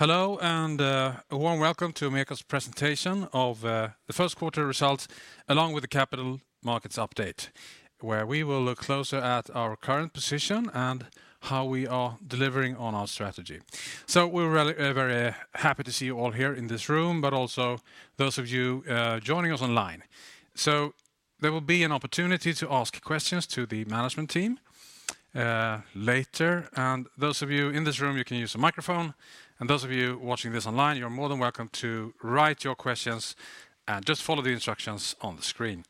Hello, and a warm welcome to MEKO's presentation of the first quarter results, along with the capital markets update, where we will look closer at our current position and how we are delivering on our strategy. So we're very happy to see you all here in this room, but also those of you joining us online. So there will be an opportunity to ask questions to the management team later. And those of you in this room, you can use a microphone, and those of you watching this online, you're more than welcome to write your questions, and just follow the instructions on the screen.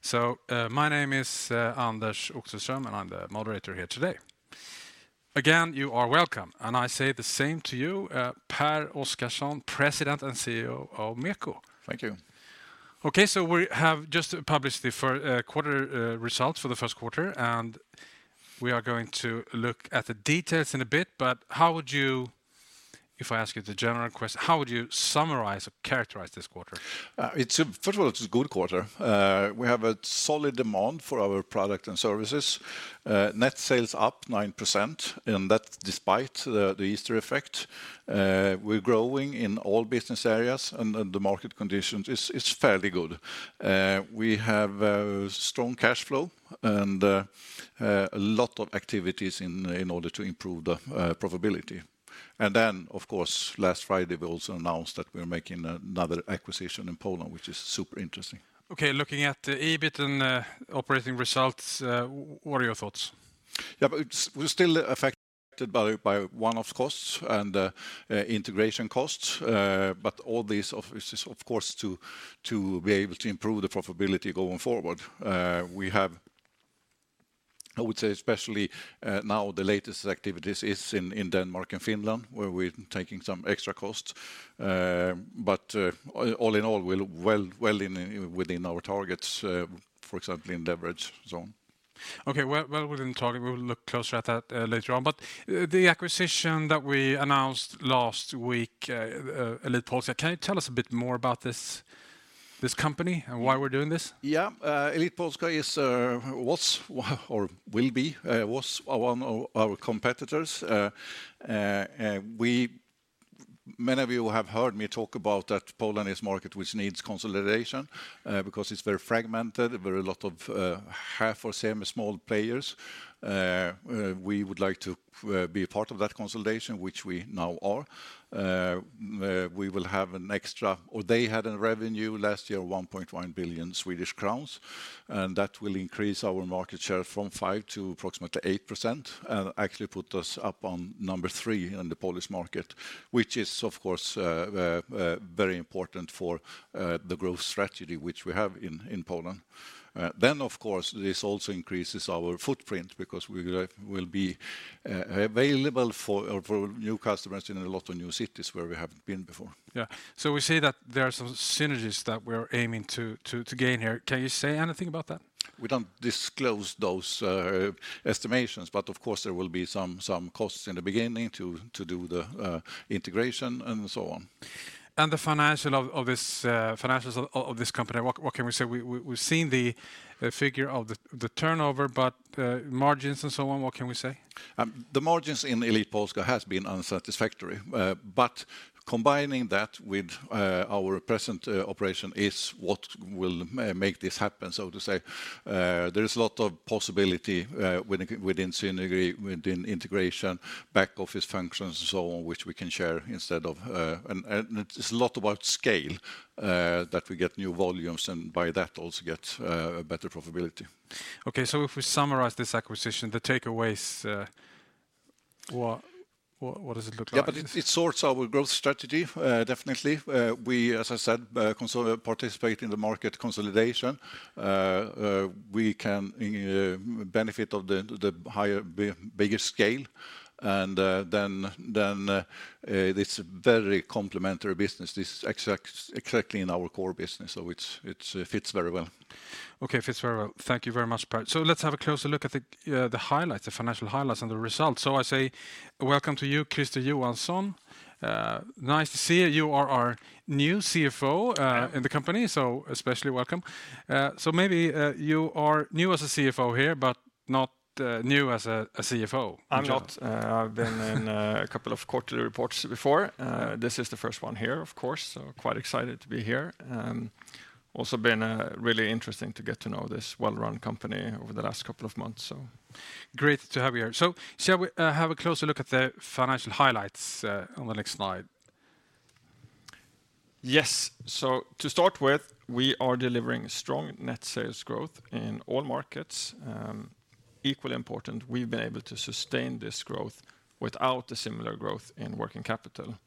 So my name is Anders Oxelström, and I'm the moderator here today. Again, you are welcome, and I say the same to you, Pehr Oscarson, President and CEO of MEKO. Thank you. Okay, so we have just published the first quarter results for the first quarter, and we are going to look at the details in a bit, but how would you, if I ask you the general question, how would you summarize or characterize this quarter? First of all, it's a good quarter. We have a solid demand for our product and services. Net sales up 9%, and that despite the Easter effect. We're growing in all business areas, and the market conditions, it's fairly good. We have strong cash flow and a lot of activities in order to improve the profitability. And then, of course, last Friday, we also announced that we're making another acquisition in Poland, which is super interesting. Okay, looking at the EBIT and operating results, what are your thoughts? Yeah, but it's, we're still affected by one-off costs and integration costs, but all this, of course, is of course, to be able to improve the profitability going forward. We have, I would say, especially now the latest activities is in Denmark and Finland, where we're taking some extra costs. But all in all, we're well within our targets, for example, in leverage zone. Okay, well, within target, we will look closer at that later on. But, the acquisition that we announced last week, Elit Polska, can you tell us a bit more about this, this company and why we're doing this? Yeah. Elit Polska is, was or will be, was one of our competitors. Many of you have heard me talk about that Poland is market which needs consolidation, because it's very fragmented. There are a lot of, half or same small players. We would like to, be a part of that consolidation, which we now are. We will have an extra... Or they had a revenue last year, 1.1 billion Swedish crowns, and that will increase our market share from 5% to approximately 8%, and actually put us up on number three in the Polish market, which is, of course, very important for, the growth strategy which we have in, in Poland. Then, of course, this also increases our footprint because we will be available for new customers in a lot of new cities where we haven't been before. Yeah. So we see that there are some synergies that we're aiming to gain here. Can you say anything about that? We don't disclose those estimations, but of course, there will be some costs in the beginning to do the integration, and so on. And the financials of this company, what can we say? We've seen the figure of the turnover, but margins and so on, what can we say? The margins in Elit Polska has been unsatisfactory, but combining that with our present operation is what will make this happen, so to say. There is a lot of possibility within synergy, within integration, back office functions, and so on, which we can share instead of. It's a lot about scale that we get new volumes, and by that also get better profitability. Okay, so if we summarize this acquisition, the takeaways, what does it look like? Yeah, but it sorts our growth strategy, definitely. We, as I said, participate in the market consolidation. We can benefit of the higher, bigger scale, and then this very complementary business, this is exactly in our core business, so it fits very well. Okay, fits very well. Thank you very much, Pehr. So let's have a closer look at the highlights, the financial highlights and the results. So I say welcome to you, Christer Johansson. Nice to see you. You are our new CFO- Hello ...in the company, so especially welcome. So maybe, you are new as a CFO here, but not new as a CFO. I'm not. I've been in a couple of quarterly reports before. This is the first one here, of course, so quite excited to be here. Also been really interesting to get to know this well-run company over the last couple of months, so. Great to have you here. So shall we have a closer look at the financial highlights on the next slide? Yes. So to start with, we are delivering strong net sales growth in all markets. Equally important, we've been able to sustain this growth without a similar growth in working capital.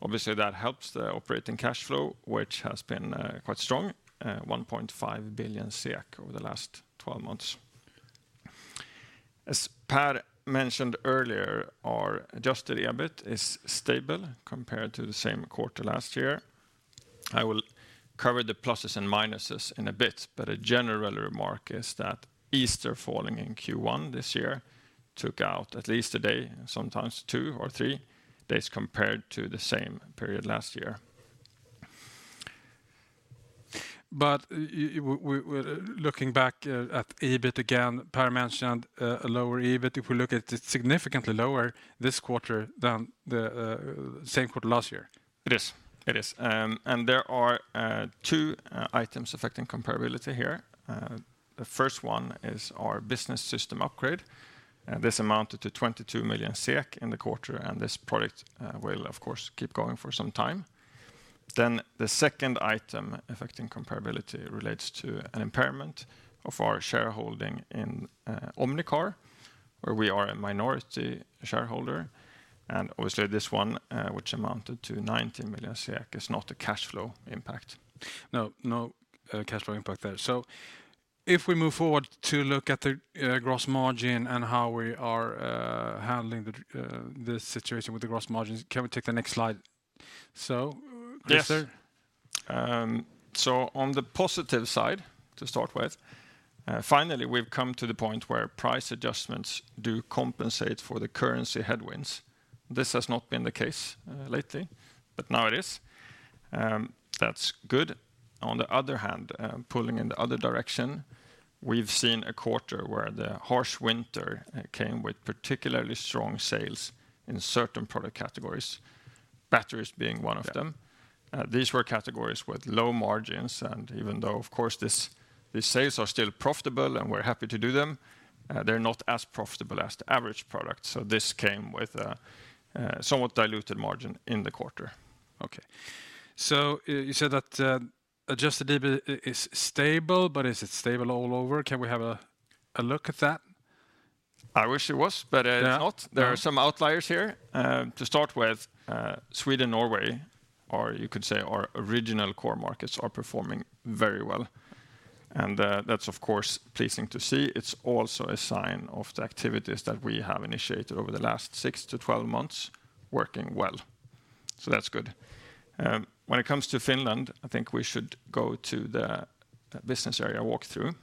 Obviously, that helps the operating cash flow, which has been quite strong, 1.5 billion SEK over the last 12 months. As Pehr mentioned earlier, our Adjusted EBIT is stable compared to the same quarter last year. I will cover the pluses and minuses in a bit, but a general remark is that Easter falling in Q1 this year took out at least a day, sometimes two or three days, compared to the same period last year.... but, looking back at EBIT again, Pehr mentioned a lower EBIT. If we look at it, significantly lower this quarter than the same quarter last year. It is. It is. And there are two items affecting comparability here. The first one is our business system upgrade, and this amounted to 22 million SEK in the quarter, and this product will, of course, keep going for some time. Then the second item affecting comparability relates to an impairment of our shareholding in Omnicar, where we are a minority shareholder, and obviously this one, which amounted to 90 million, is not a cash flow impact. No, no, cash flow impact there. So if we move forward to look at the gross margin and how we are handling the situation with the gross margins, can we take the next slide? So, Christer? Yes. So on the positive side, to start with, finally, we've come to the point where price adjustments do compensate for the currency headwinds. This has not been the case, lately, but now it is. That's good. On the other hand, pulling in the other direction, we've seen a quarter where the harsh winter came with particularly strong sales in certain product categories, batteries being one of them. Yeah. These were categories with low margins, and even though, of course, these sales are still profitable, and we're happy to do them, they're not as profitable as the average product. So this came with a somewhat diluted margin in the quarter. Okay. So you said that adjusted EBIT is stable, but is it stable all over? Can we have a look at that? I wish it was, but, Yeah... it's not. No. There are some outliers here. To start with, Sweden, Norway, or you could say our original core markets, are performing very well, and, that's, of course, pleasing to see. It's also a sign of the activities that we have initiated over the last 6 to 12 months working well, so that's good. When it comes to Finland, I think we should go to the business area walkthrough.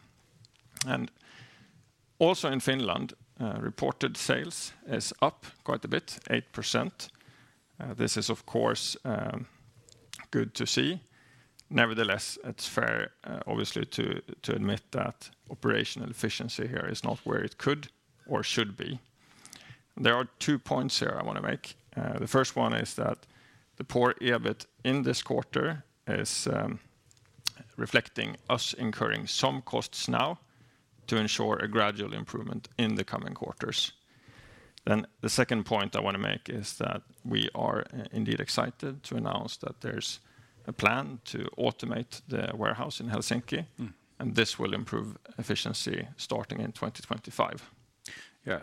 Also in Finland, reported sales is up quite a bit, 8%. This is, of course, good to see. Nevertheless, it's fair, obviously, to admit that operational efficiency here is not where it could or should be. There are two points here I want to make. The first one is that the poor EBIT in this quarter is reflecting us incurring some costs now to ensure a gradual improvement in the coming quarters. Then the second point I want to make is that we are indeed excited to announce that there's a plan to automate the warehouse in Helsinki- Mm. This will improve efficiency starting in 2025. Yeah,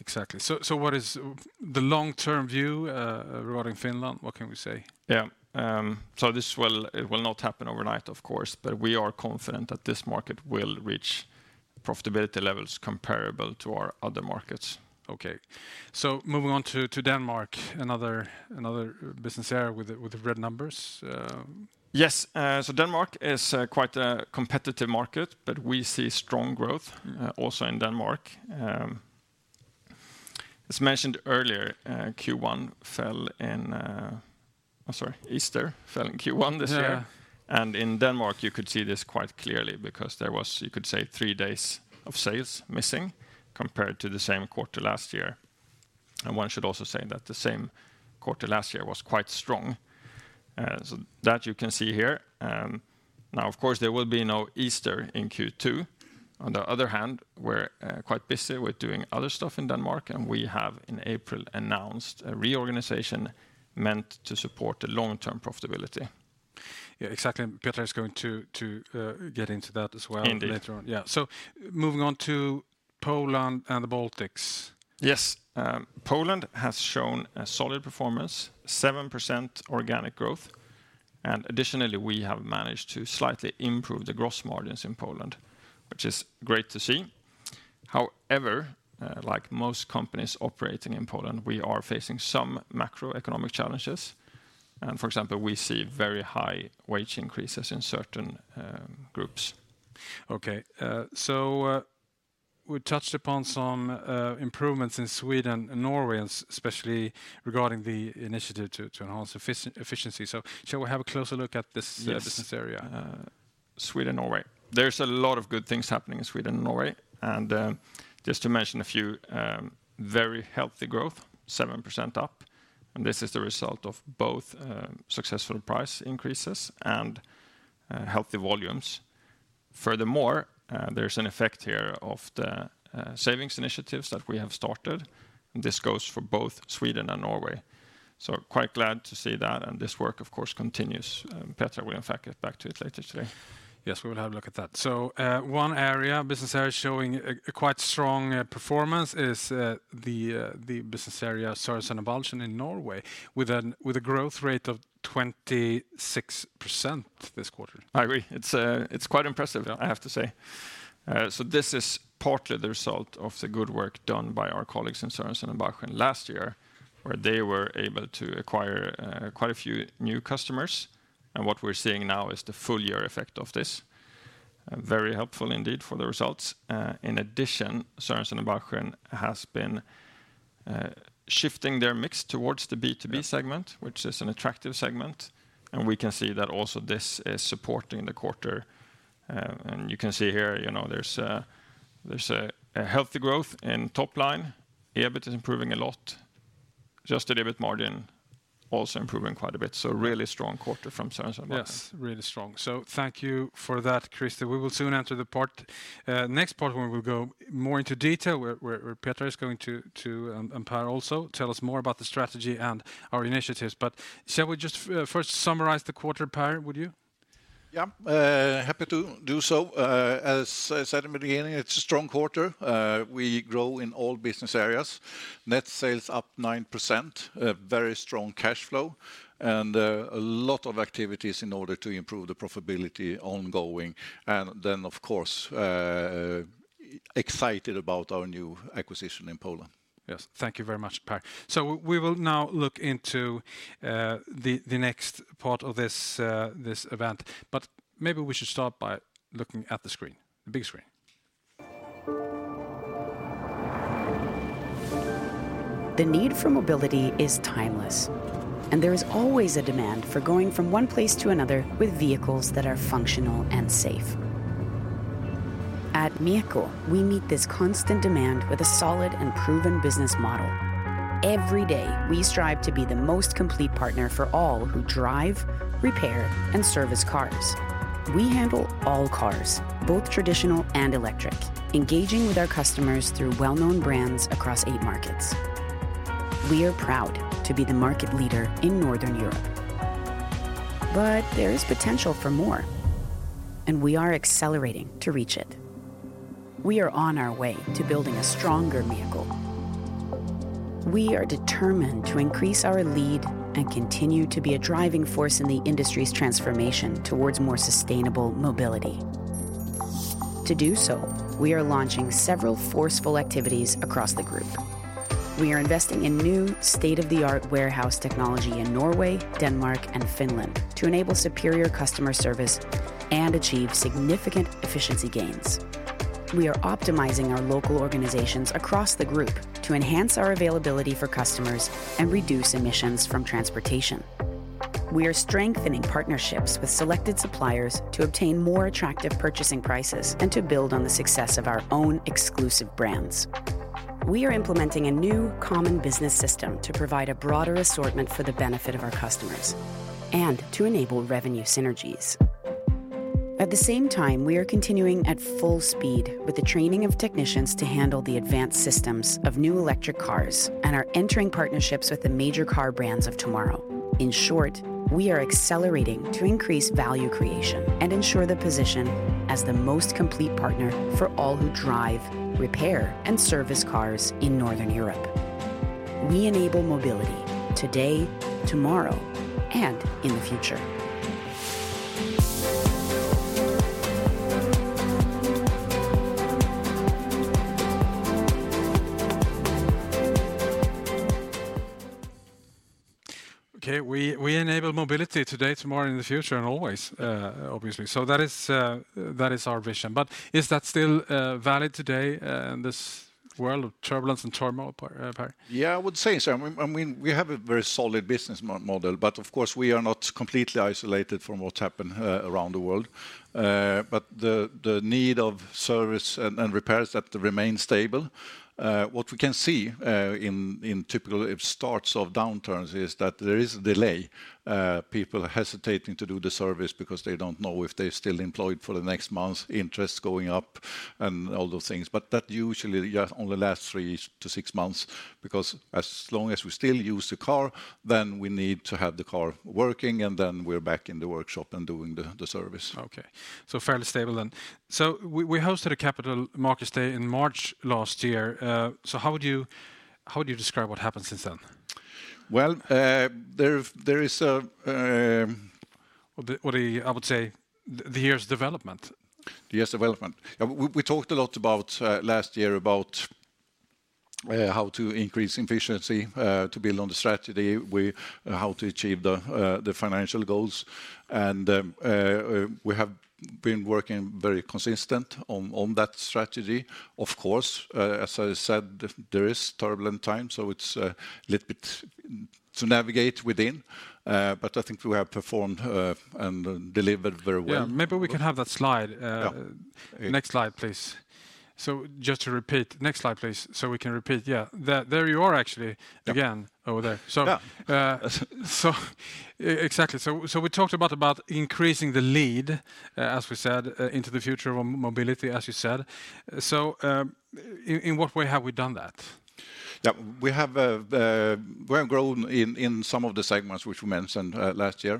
exactly. So, so what is the long-term view, regarding Finland? What can we say? Yeah. So this will... It will not happen overnight, of course, but we are confident that this market will reach profitability levels comparable to our other markets. Okay, so moving on to Denmark, another business area with the red numbers. Yes. So Denmark is quite a competitive market, but we see strong growth also in Denmark. As mentioned earlier, Q1 fell in... I'm sorry, Easter fell in Q1 this year. Yeah. And in Denmark, you could see this quite clearly because there was, you could say, three days of sales missing compared to the same quarter last year. And one should also say that the same quarter last year was quite strong, so that you can see here. Now, of course, there will be no Easter in Q2. On the other hand, we're quite busy with doing other stuff in Denmark, and we have, in April, announced a reorganization meant to support the long-term profitability. Yeah, exactly, and Pehr is going to get into that as well. Indeed... later on. Yeah, so moving on to Poland and the Baltics. Yes. Poland has shown a solid performance, 7% organic growth, and additionally, we have managed to slightly improve the gross margins in Poland, which is great to see. However, like most companies operating in Poland, we are facing some macroeconomic challenges, and, for example, we see very high wage increases in certain, groups. Okay, so, we touched upon some improvements in Sweden and Norway, and especially regarding the initiative to enhance efficiency. So shall we have a closer look at this? Yes... business area? Sweden, Norway. There's a lot of good things happening in Sweden and Norway, and, just to mention a few, very healthy growth, 7% up, and this is the result of both, successful price increases and, healthy volumes. Furthermore, there's an effect here of the, savings initiatives that we have started, and this goes for both Sweden and Norway. So quite glad to see that, and this work, of course, continues. Pehr will, in fact, get back to it later today. Yes, we will have a look at that. So, one area, business area showing a quite strong performance is the business area, Sørensen and Balchen in Norway, with a growth rate of 26% this quarter. I agree. It's, it's quite impressive- Yeah... I have to say. So this is partly the result of the good work done by our colleagues in Sørensen og Balchen last year, where they were able to acquire quite a few new customers, and what we're seeing now is the full year effect of this.... Very helpful indeed for the results. In addition, Sørensen og Balchen has been shifting their mix towards the B2B segment, which is an attractive segment, and we can see that also this is supporting the quarter. And you can see here, you know, there's a healthy growth in top line. EBIT is improving a lot. Just a little bit margin also improving quite a bit, so really strong quarter from Sørensen og Balchen. Yes, really strong. So thank you for that, Christer. We will soon enter the part next part where we'll go more into detail, where Pehr is going to and Pehr also tell us more about the strategy and our initiatives. But shall we just first summarize the quarter, Pehr, would you? Yeah, happy to do so. As I said in the beginning, it's a strong quarter. We grow in all business areas. Net sales up 9%, a very strong cash flow, and a lot of activities in order to improve the profitability ongoing. And then, of course, excited about our new acquisition in Poland. Yes, thank you very much, Pehr. So we will now look into the next part of this event. But maybe we should start by looking at the screen, the big screen. The need for mobility is timeless, and there is always a demand for going from one place to another with vehicles that are functional and safe. At MEKO, we meet this constant demand with a solid and proven business model. Every day, we strive to be the most complete partner for all who drive, repair, and service cars. We handle all cars, both traditional and electric, engaging with our customers through well-known brands across eight markets. We are proud to be the market leader in Northern Europe, but there is potential for more, and we are accelerating to reach it. We are on our way to building a stronger vehicle. We are determined to increase our lead and continue to be a driving force in the industry's transformation towards more sustainable mobility. To do so, we are launching several forceful activities across the group. We are investing in new state-of-the-art warehouse technology in Norway, Denmark, and Finland to enable superior customer service and achieve significant efficiency gains. We are optimizing our local organizations across the group to enhance our availability for customers and reduce emissions from transportation. We are strengthening partnerships with selected suppliers to obtain more attractive purchasing prices and to build on the success of our own exclusive brands. We are implementing a new common business system to provide a broader assortment for the benefit of our customers and to enable revenue synergies. At the same time, we are continuing at full speed with the training of technicians to handle the advanced systems of new electric cars, and are entering partnerships with the major car brands of tomorrow. In short, we are accelerating to increase value creation and ensure the position as the most complete partner for all who drive, repair, and service cars in Northern Europe. We enable mobility today, tomorrow, and in the future. Okay, we enable mobility today, tomorrow, in the future, and always, obviously. So that is our vision. But is that still valid today, in this world of turbulence and turmoil, Pehr? Yeah, I would say so. I mean, we have a very solid business model, but of course, we are not completely isolated from what's happened around the world. But the need of service and repairs that remains stable. What we can see in typical starts of downturns is that there is a delay. People are hesitating to do the service because they don't know if they're still employed for the next month, interest going up, and all those things. But that usually, yeah, only lasts three-six months, because as long as we still use the car, then we need to have the car working, and then we're back in the workshop and doing the service. Okay, so fairly stable then. So we, we hosted a Capital Markets Day in March last year. So how would you, how would you describe what happened since then? Well, there is a I would say, the year's development. The year's development. Yeah, we talked a lot about last year about how to increase efficiency to build on the strategy how to achieve the the financial goals, and we have been working very consistent on that strategy. Of course, as I said, there is turbulent times, so it's little bit to navigate within. But I think we have performed and delivered very well. Yeah, maybe we can have that slide. Yeah. Next slide, please. So just to repeat, next slide, please, so we can repeat. Yeah, there you are actually- Yeah... again, over there. Yeah. So, so exactly. So, we talked about increasing the lead, as we said, into the future of mobility, as you said. So, in what way have we done that? Yeah. We have grown in some of the segments which we mentioned last year.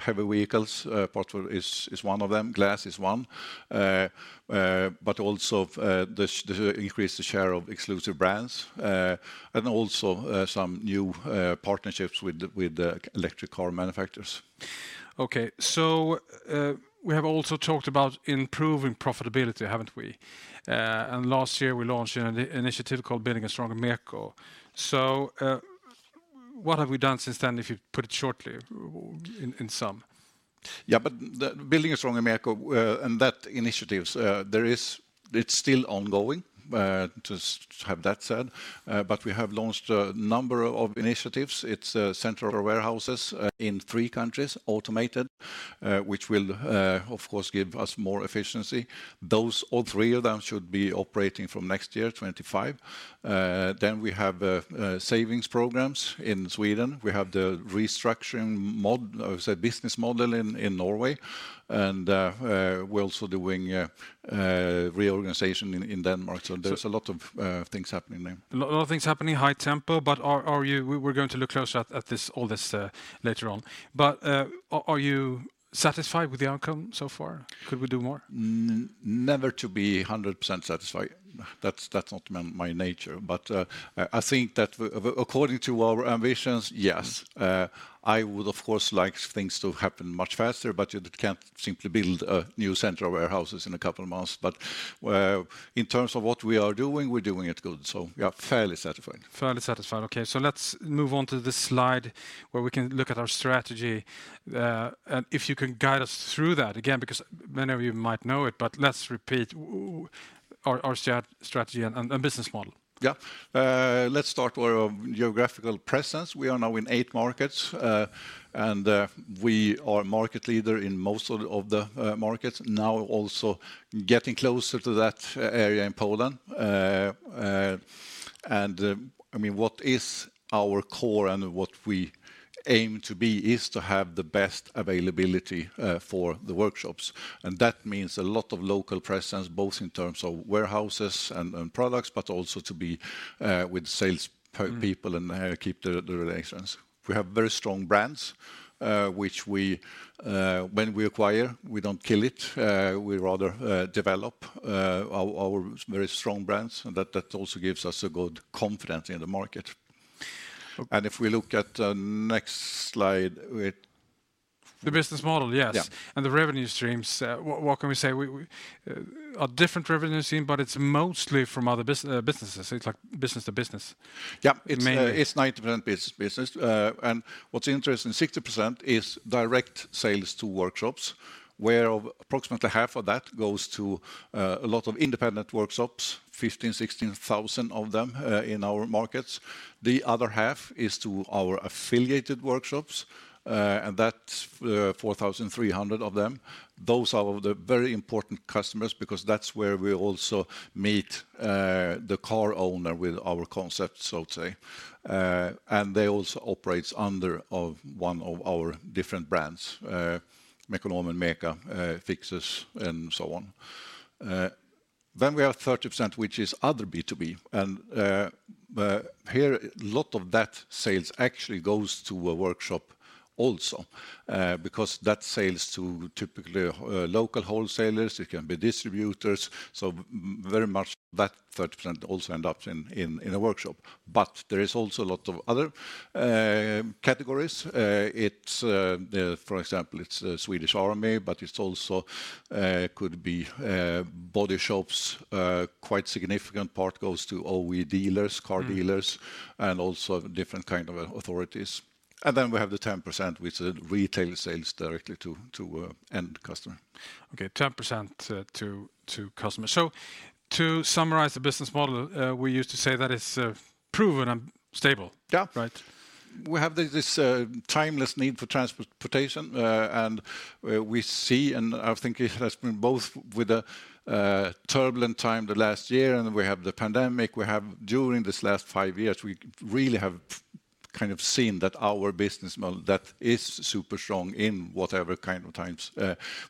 Heavy vehicles, portal is one of them, glass is one. But also, the increase in the share of exclusive brands, and also, some new partnerships with the electric car manufacturers. Okay, so, we have also talked about improving profitability, haven't we? And last year, we launched Building a stronger MEKO. what have we done since then, if you put it shortly, in sum? Building a stronger MEKO and that initiatives, there is, it's still ongoing, to have that said. But we have launched a number of initiatives. It's central warehouses in three countries, automated, which will, of course, give us more efficiency. Those, all three of them should be operating from next year, 2025. Then we have savings programs in Sweden. We have the restructuring, sorry, business model in Norway, and we're also doing reorganization in Denmark. So there's a lot of things happening there. A lot of things happening, high tempo, but are you... We're going to look closer at this, all this, later on. But, are you satisfied with the outcome so far? Could we do more? Never to be 100% satisfied. That's, that's not my, my nature, but, I think that according to our ambitions, yes. I would, of course, like things to happen much faster, but you can't simply build a new central warehouses in a couple of months. But, in terms of what we are doing, we're doing it good, so yeah, fairly satisfied. Fairly satisfied, okay. Let's move on to this slide, where we can look at our strategy. If you can guide us through that again, because many of you might know it, but let's repeat our strategy and business model. Yeah. Let's start with our geographical presence. We are now in eight markets, and we are market leader in most of the markets. Now, also getting closer to that area in Poland. And I mean, what is our core and what we aim to be is to have the best availability for the workshops, and that means a lot of local presence, both in terms of warehouses and products, but also to be with sales- Mm... people and keep the relations. We have very strong brands, which we, when we acquire, we don't kill it. We rather develop our very strong brands, and that also gives us a good confidence in the market. Okay. If we look at the next slide. The business model, yes. Yeah. The revenue streams, what can we say? A different revenue stream, but it's mostly from other businesses. It's like business to business. Yeah. Mainly. It's 90% business to business. And what's interesting, 60% is direct sales to workshops, where approximately half of that goes to a lot of independent workshops, 15,000, 16,000 of them in our markets. The other half is to our affiliated workshops, and that's 4,300 of them. Those are the very important customers because that's where we also meet the car owner with our concepts, I would say. And they also operates under of one of our different brands, Mekonomen, MEKO, Fixus, and so on. Then we have 30%, which is other B2B, and here, a lot of that sales actually goes to a workshop also, because that sales to typically local wholesalers, it can be distributors, so very much that 30% also end up in a workshop. But there is also a lot of other categories. For example, it's the Swedish Army, but it's also could be body shops. Quite significant part goes to OE dealers- Mm... car dealers, and also different kind of authorities. And then we have the 10%, which is retail sales directly to an end customer. Okay, 10% to customer. So to summarize the business model, we used to say that it's proven and stable. Yeah. Right? We have this timeless need for transportation, and we see, and I think it has been both with a turbulent time the last year, and we have the pandemic, we have... During this last five years, we really have kind of seen that our business model, that is super strong in whatever kind of times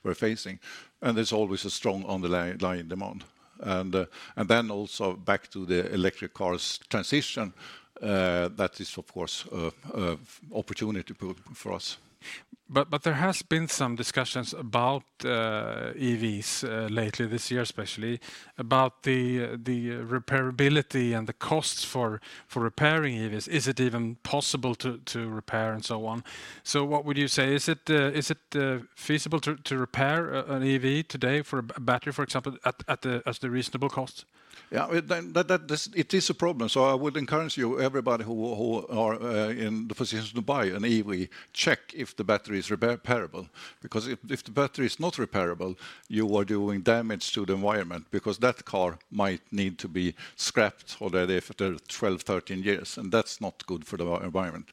we're facing, and there's always a strong underlying demand. And then also back to the electric cars transition, that is, of course, a opportunity build for us. There has been some discussions about EVs lately, this year especially, about the repairability and the costs for repairing EVs. Is it even possible to repair, and so on? So what would you say, is it feasible to repair an EV today for a battery, for example, at a reasonable cost? Yeah, this is a problem, so I would encourage you, everybody who are in the position to buy an EV, check if the battery is repairable. Because if the battery is not repairable, you are doing damage to the environment, because that car might need to be scrapped already after 12, 13 years, and that's not good for the environment.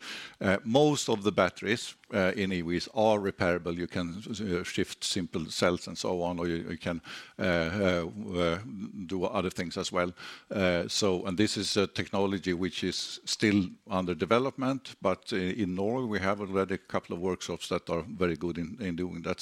Most of the batteries in EVs are repairable. You can shift simple cells, and so on, or you can do other things as well. So and this is a technology which is still under development, but in Norway, we have already a couple of workshops that are very good in doing that.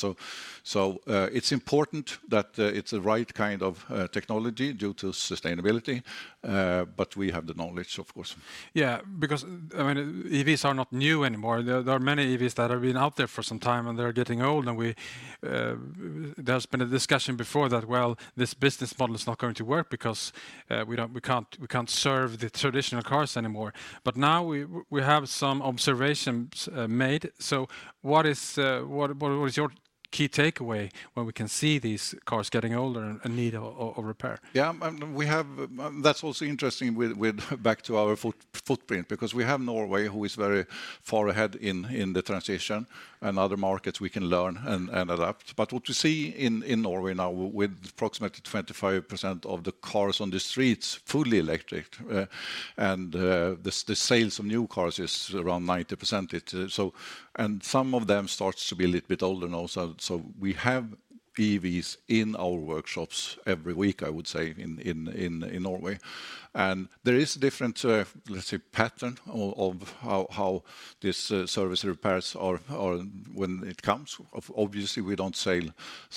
So, it's important that it's the right kind of technology due to sustainability. But we have the knowledge, of course. Yeah, because, I mean, EVs are not new anymore. There are many EVs that have been out there for some time, and they're getting old, and we... There's been a discussion before that, well, this business model is not going to work because we don't, we can't, we can't serve the traditional cars anymore. But now we have some observations made, so what is your key takeaway when we can see these cars getting older and need a repair? Yeah, and we have, that's also interesting with, with back to our footprint, because we have Norway, who is very far ahead in the transition, and other markets we can learn and adapt. But what we see in Norway now, with approximately 25% of the cars on the streets fully electric, and the sales of new cars is around 90% it. So, and some of them starts to be a little bit older now, so we have EVs in our workshops every week, I would say, in Norway. And there is different, let's say, pattern of how these service repairs are when it comes. Obviously, we don't sell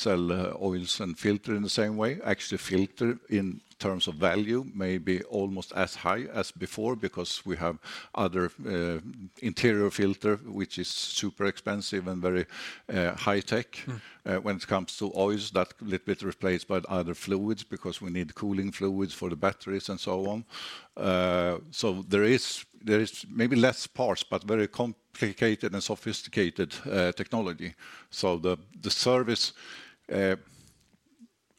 oils and filter in the same way. Actually, filter, in terms of value, may be almost as high as before because we have other, interior filter, which is super expensive and very high tech. Mm. When it comes to oils, that little bit replaced by other fluids because we need cooling fluids for the batteries and so on. So there is maybe less parts, but very complicated and sophisticated technology. So the service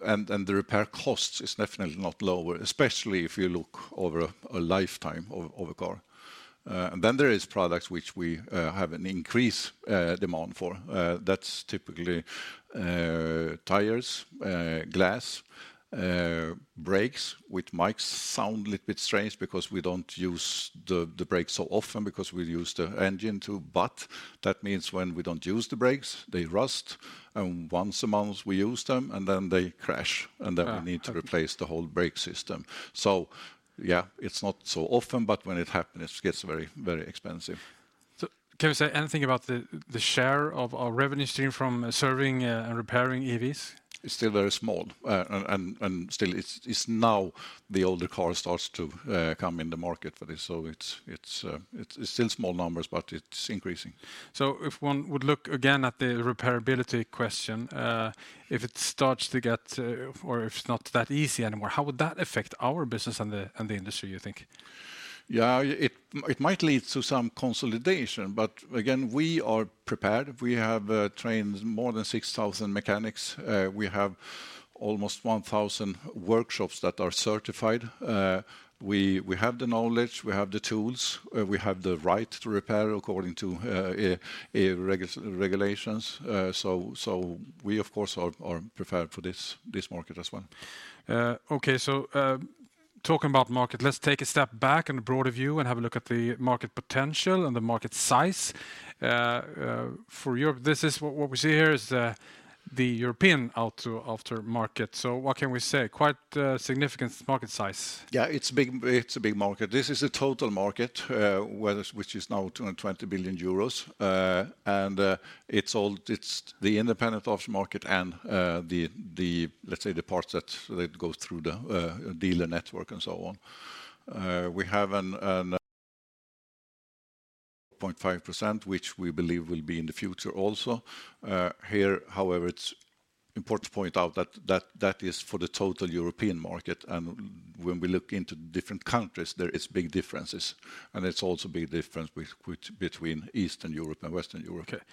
and the repair costs is definitely not lower, especially if you look over a lifetime of a car. And then there is products which we have an increased demand for. That's typically tires, glass, brakes, which might sound a little bit strange because we don't use the brakes so often because we use the engine, too. But that means when we don't use the brakes, they rust, and once a month we use them, and then they crash- Ah... and then we need to replace the whole brake system. So yeah, it's not so often, but when it happens, it gets very, very expensive. Can you say anything about the share of our revenue stream from serving and repairing EVs? It's still very small. And still it's now the older car starts to come in the market for this. So it's still small numbers, but it's increasing. If one would look again at the repairability question, if it starts to get or if it's not that easy anymore, how would that affect our business and the industry, you think? Yeah, it might lead to some consolidation, but again, we are prepared. We have trained more than 6,000 mechanics. We have almost 1,000 workshops that are certified. We have the knowledge, we have the tools, we have the right to repair according to regulations. So, we, of course, are prepared for this market as well. Okay, so, talking about market, let's take a step back and a broader view and have a look at the market potential and the market size. For Europe, this is... What we see here is the European auto aftermarket. So what can we say? Quite a significant market size. Yeah, it's big, it's a big market. This is a total market, whether, which is now 220 billion euros. And, it's all, it's the independent aftermarket and, the, the, let's say, the parts that, that go through the, dealer network and so on. We have an, an, 0.5%, which we believe will be in the future also. Here, however, it's important to point out that that, that is for the total European market, and when we look into different countries, there is big differences, and there's also big difference with, with between Eastern Europe and Western Europe. Okay,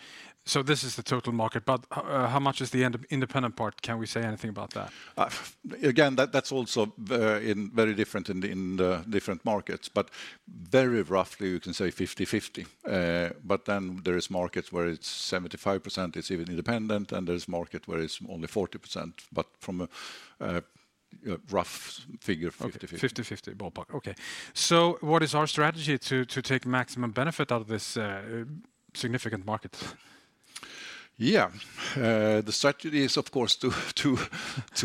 so this is the total market, but how much is the independent part? Can we say anything about that? Again, that's also very different in the different markets, but very roughly, you can say 50/50. But then there are markets where it's 75%, it's even independent, and there is a market where it's only 40%, but from a rough figure, 50/50. Okay, 50/50 ballpark. Okay. So what is our strategy to take maximum benefit out of this significant market? Yeah, the strategy is, of course, to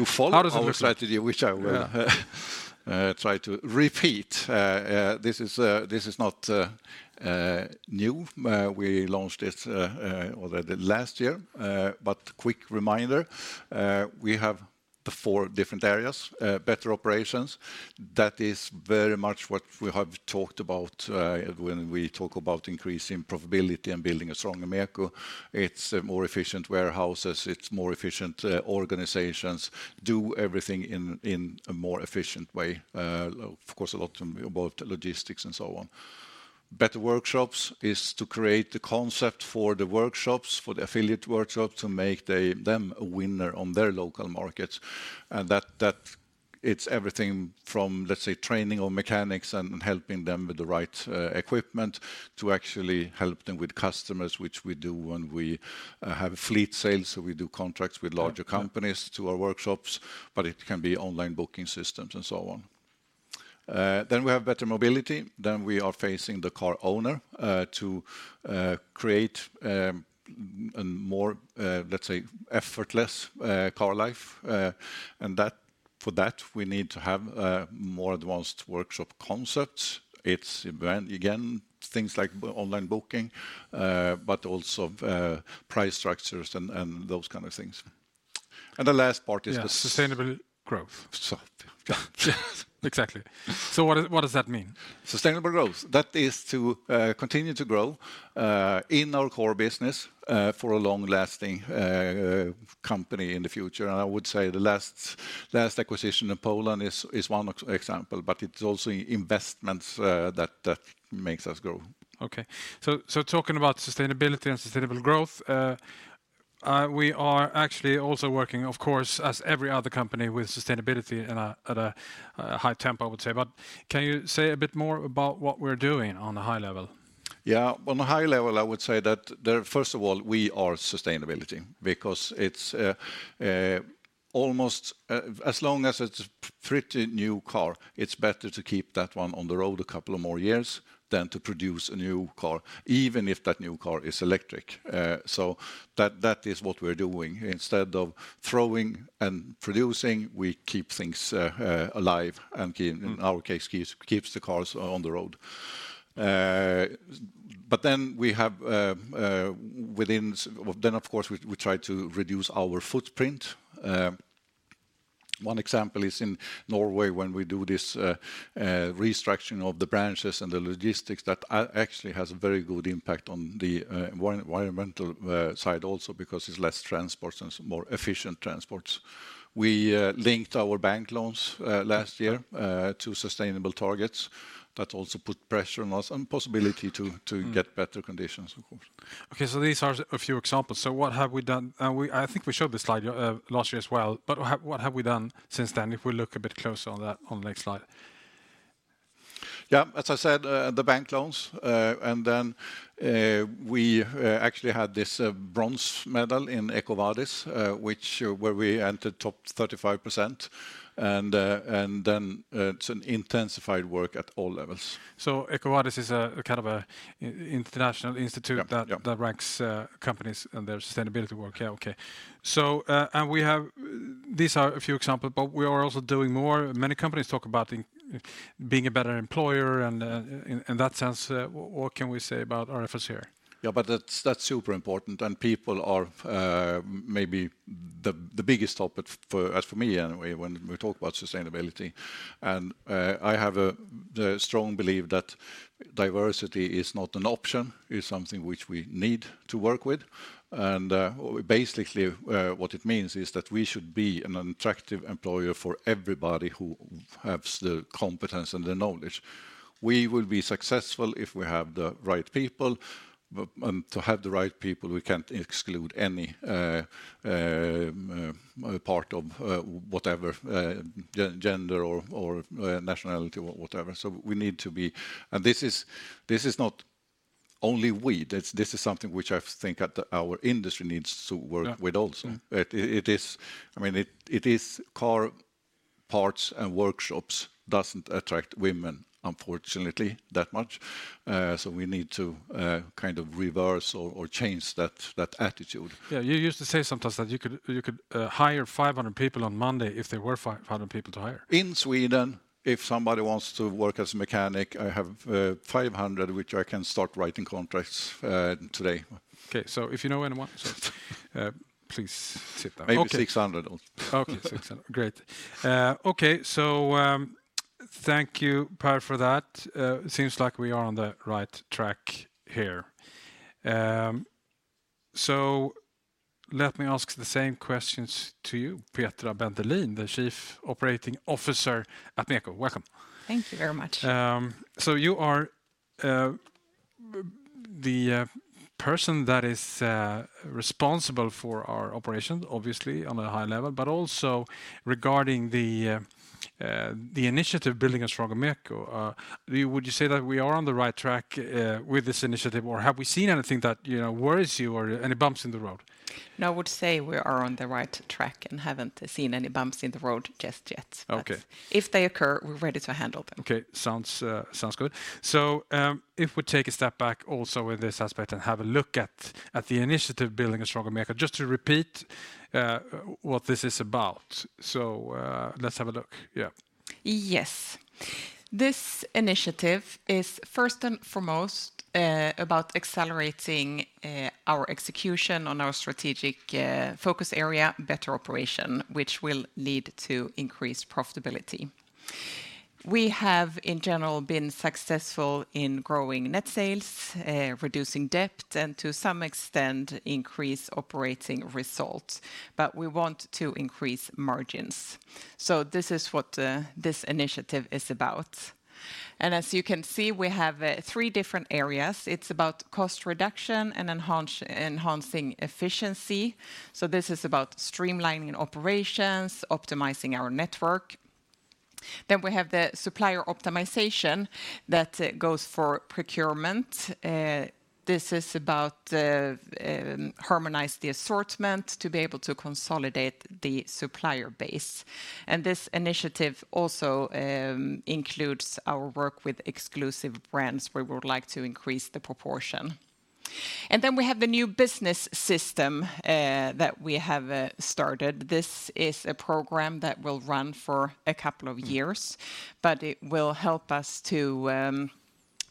follow- How does it look like?... our strategy, which I will- Yeah This is not new. We launched it already last year. But quick reminder, we have the four different areas: better operations, that is very much what we have talked about, when we talk about increasing profitability and Building a stronger MEKO. It's more efficient warehouses, it's more efficient organizations, do everything in a more efficient way. Of course, a lot about logistics and so on. Better workshops is to create the concept for the workshops, for the affiliated workshops, to make them a winner on their local markets, and that... It's everything from, let's say, training of mechanics and helping them with the right equipment, to actually help them with customers, which we do when we have fleet sales, so we do contracts with larger companies- Yeah... to our workshops, but it can be online booking systems and so on. Then we have better mobility, then we are facing the car owner, to create a more, let's say, effortless car life. And that, for that, we need to have a more advanced workshop concept. It's even, again, things like online booking, but also price structures and those kind of things. And the last part is- Yeah... sustainable- Growth. So, yeah. Exactly. So what does that mean? Sustainable growth, that is to continue to grow in our core business for a long-lasting company in the future. And I would say the last acquisition in Poland is one example, but it's also investments that makes us grow. Okay, so talking about sustainability and sustainable growth, we are actually also working, of course, as every other company, with sustainability at a high tempo, I would say. But can you say a bit more about what we're doing on a high level? Yeah, on a high level, I would say that first of all, we are sustainability. Because it's almost as long as it's a pretty new car, it's better to keep that one on the road a couple of more years than to produce a new car, even if that new car is electric. So that, that is what we're doing. Instead of throwing and producing, we keep things alive, and in- Mm... in our case, keeps the cars on the road. But then we have, then, of course, we try to reduce our footprint. One example is in Norway, when we do this restructuring of the branches and the logistics, that actually has a very good impact on the environmental side also, because it's less transports and some more efficient transports. We linked our bank loans last year to sustainable targets. That also put pressure on us, and possibility to- Mm... to get better conditions, of course. Okay, so these are a few examples. So what have we done? And we, I think we showed this slide year last year as well, but what have we done since then, if we look a bit closer on that, on the next slide? Yeah, as I said, the bank loans. And then, we actually had this bronze medal in EcoVadis, which where we entered top 35%. And then, it's an intensified work at all levels. So EcoVadis is a kind of international institute. Yep, yep... that, that ranks companies and their sustainability work. Yeah, okay. So, and we have... These are a few examples, but we are also doing more. Many companies talk about being a better employer, and in that sense, what can we say about our efforts here? Yeah, but that's super important, and people are maybe the biggest topic for me, anyway, when we talk about sustainability. I have a strong belief that diversity is not an option, it's something which we need to work with. Basically, what it means is that we should be an attractive employer for everybody who has the competence and the knowledge. We will be successful if we have the right people. To have the right people, we can't exclude any part of whatever gender or nationality, or whatever. So we need to be... This is not only we, this is something which I think that our industry needs to work with also. Yeah, mm. I mean, it is car parts and workshops doesn't attract women, unfortunately, that much. So we need to kind of reverse or change that attitude. Yeah, you used to say sometimes that you could hire 500 people on Monday if there were 500 people to hire. In Sweden, if somebody wants to work as a mechanic, I have 500 which I can start writing contracts today. Okay, so if you know anyone, so, please tip that. Maybe 600 also. Okay, 600. Great. Okay, so thank you, Pehr, for that. It seems like we are on the right track here. So let me ask the same questions to you, Petra Bendelin, the Chief Operating Officer at MEKO. Welcome. Thank you very much. So you are the person that is responsible for our operations, obviously on a high level, but also Building a stronger MEKO. would you say that we are on the right track with this initiative, or have we seen anything that, you know, worries you, or any bumps in the road? No, I would say we are on the right track and haven't seen any bumps in the road just yet. Okay. But if they occur, we're ready to handle them. Okay, sounds good. So, if we take a step back also with this aspect and have a look Building a stronger MEKOnomen, just to repeat, what this is about. So, let's have a look. Yeah. Yes. This initiative is first and foremost about accelerating our execution on our strategic focus area, better operation, which will lead to increased profitability. We have, in general, been successful in growing net sales, reducing debt, and to some extent, increasing operating results, but we want to increase margins. So this is what this initiative is about. And as you can see, we have three different areas. It's about cost reduction and enhancing efficiency. So this is about streamlining operations, optimizing our network. Then we have the supplier optimization that goes for procurement. This is about harmonizing the assortment to be able to consolidate the supplier base. And this initiative also includes our work with exclusive brands. We would like to increase the proportion. And then we have the new business system that we have started. This is a program that will run for a couple of years, but it will help us to,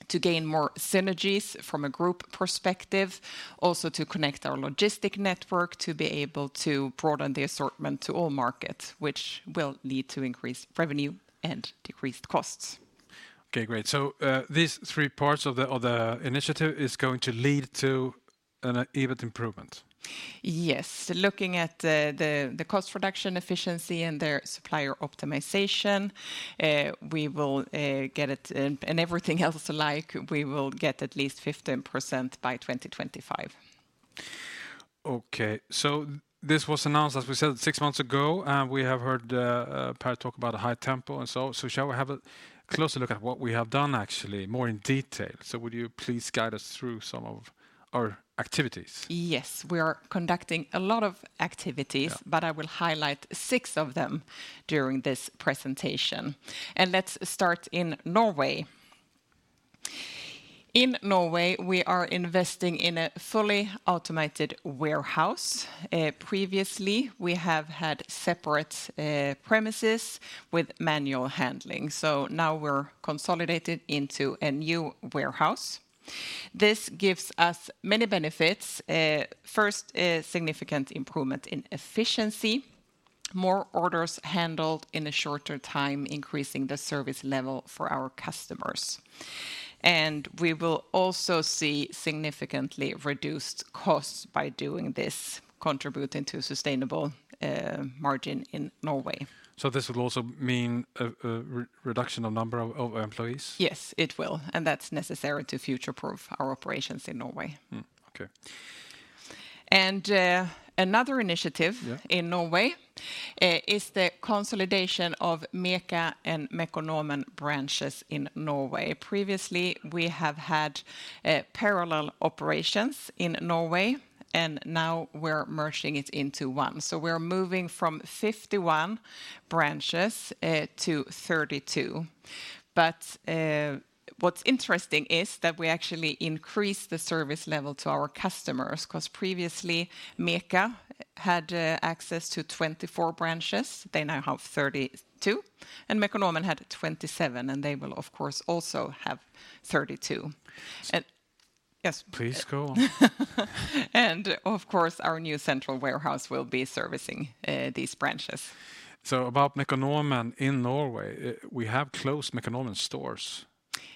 to gain more synergies from a group perspective. Also, to connect our logistic network, to be able to broaden the assortment to all markets, which will lead to increased revenue and decreased costs. Okay, great. So, these three parts of the initiative is going to lead to an event improvement? Yes. Looking at the cost reduction, efficiency, and the supplier optimization, we will get it... And everything else like, we will get at least 15% by 2025.... Okay, so this was announced, as we said, six months ago, and we have heard Pehr talk about a high tempo and so, shall we have a closer look at what we have done, actually, more in detail? So would you please guide us through some of our activities? Yes, we are conducting a lot of activities- Yeah... but I will highlight six of them during this presentation, and let's start in Norway. In Norway, we are investing in a fully automated warehouse. Previously, we have had separate premises with manual handling, so now we're consolidated into a new warehouse. This gives us many benefits. First, a significant improvement in efficiency, more orders handled in a shorter time, increasing the service level for our customers. We will also see significantly reduced costs by doing this, contributing to sustainable margin in Norway. So this will also mean a reduction of number of employees? Yes, it will, and that's necessary to future-proof our operations in Norway. Mm, okay. And, another initiative- Yeah... in Norway, is the consolidation of MEKO and Mekonomen branches in Norway. Previously, we have had parallel operations in Norway, and now we're merging it into one. So we're moving from 51 branches to 32. But what's interesting is that we actually increase the service level to our customers, 'cause previously, MEKO had access to 24 branches. They now have 32, and Mekonomen had 27, and they will, of course, also have 32. And... Yes? Please, go on. Of course, our new central warehouse will be servicing these branches. About Mekonomen in Norway, we have closed Mekonomen stores.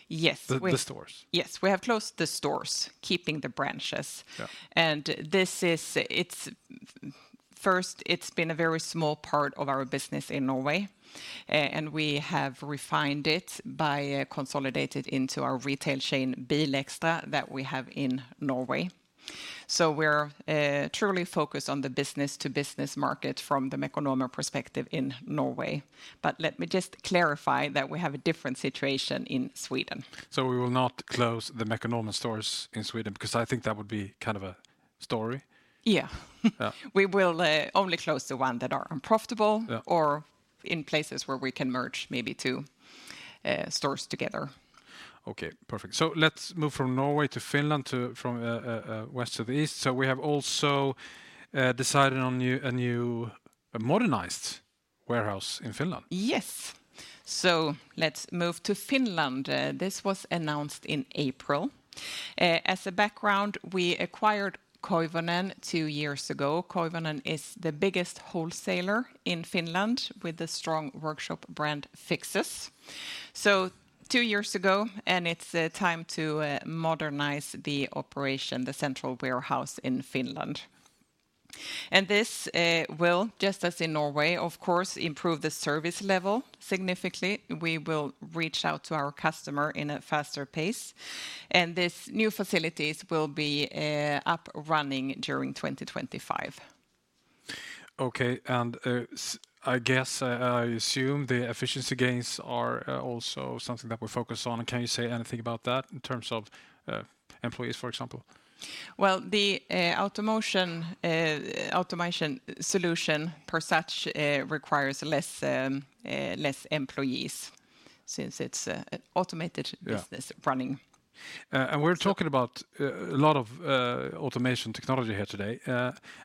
Yes, we- The stores. Yes, we have closed the stores, keeping the branches. Yeah. First, it's been a very small part of our business in Norway, and we have refined it by consolidated into our retail chain, BilXtra, that we have in Norway. So we're truly focused on the business-to-business market from the Mekonomen perspective in Norway. But let me just clarify that we have a different situation in Sweden. We will not close the Mekonomen stores in Sweden, because I think that would be kind of a story? Yeah. Yeah. We will only close the one that are unprofitable- Yeah... or in places where we can merge maybe two stores together. Okay, perfect. So let's move from Norway to Finland, from west to the east. So we have also decided on a new modernized warehouse in Finland. Yes. So let's move to Finland. This was announced in April. As a background, we acquired Koivunen two years ago. Koivunen is the biggest wholesaler in Finland, with a strong workshop brand, Fixus. So two years ago, and it's time to modernize the operation, the central warehouse in Finland. And this will, just as in Norway, of course, improve the service level significantly. We will reach out to our customer in a faster pace, and this new facilities will be up running during 2025. Okay, and, I guess, I assume the efficiency gains are also something that we're focused on. Can you say anything about that in terms of employees, for example? Well, the automation solution as such requires less employees, since it's an automated- Yeah... business running. We're talking about a lot of automation technology here today,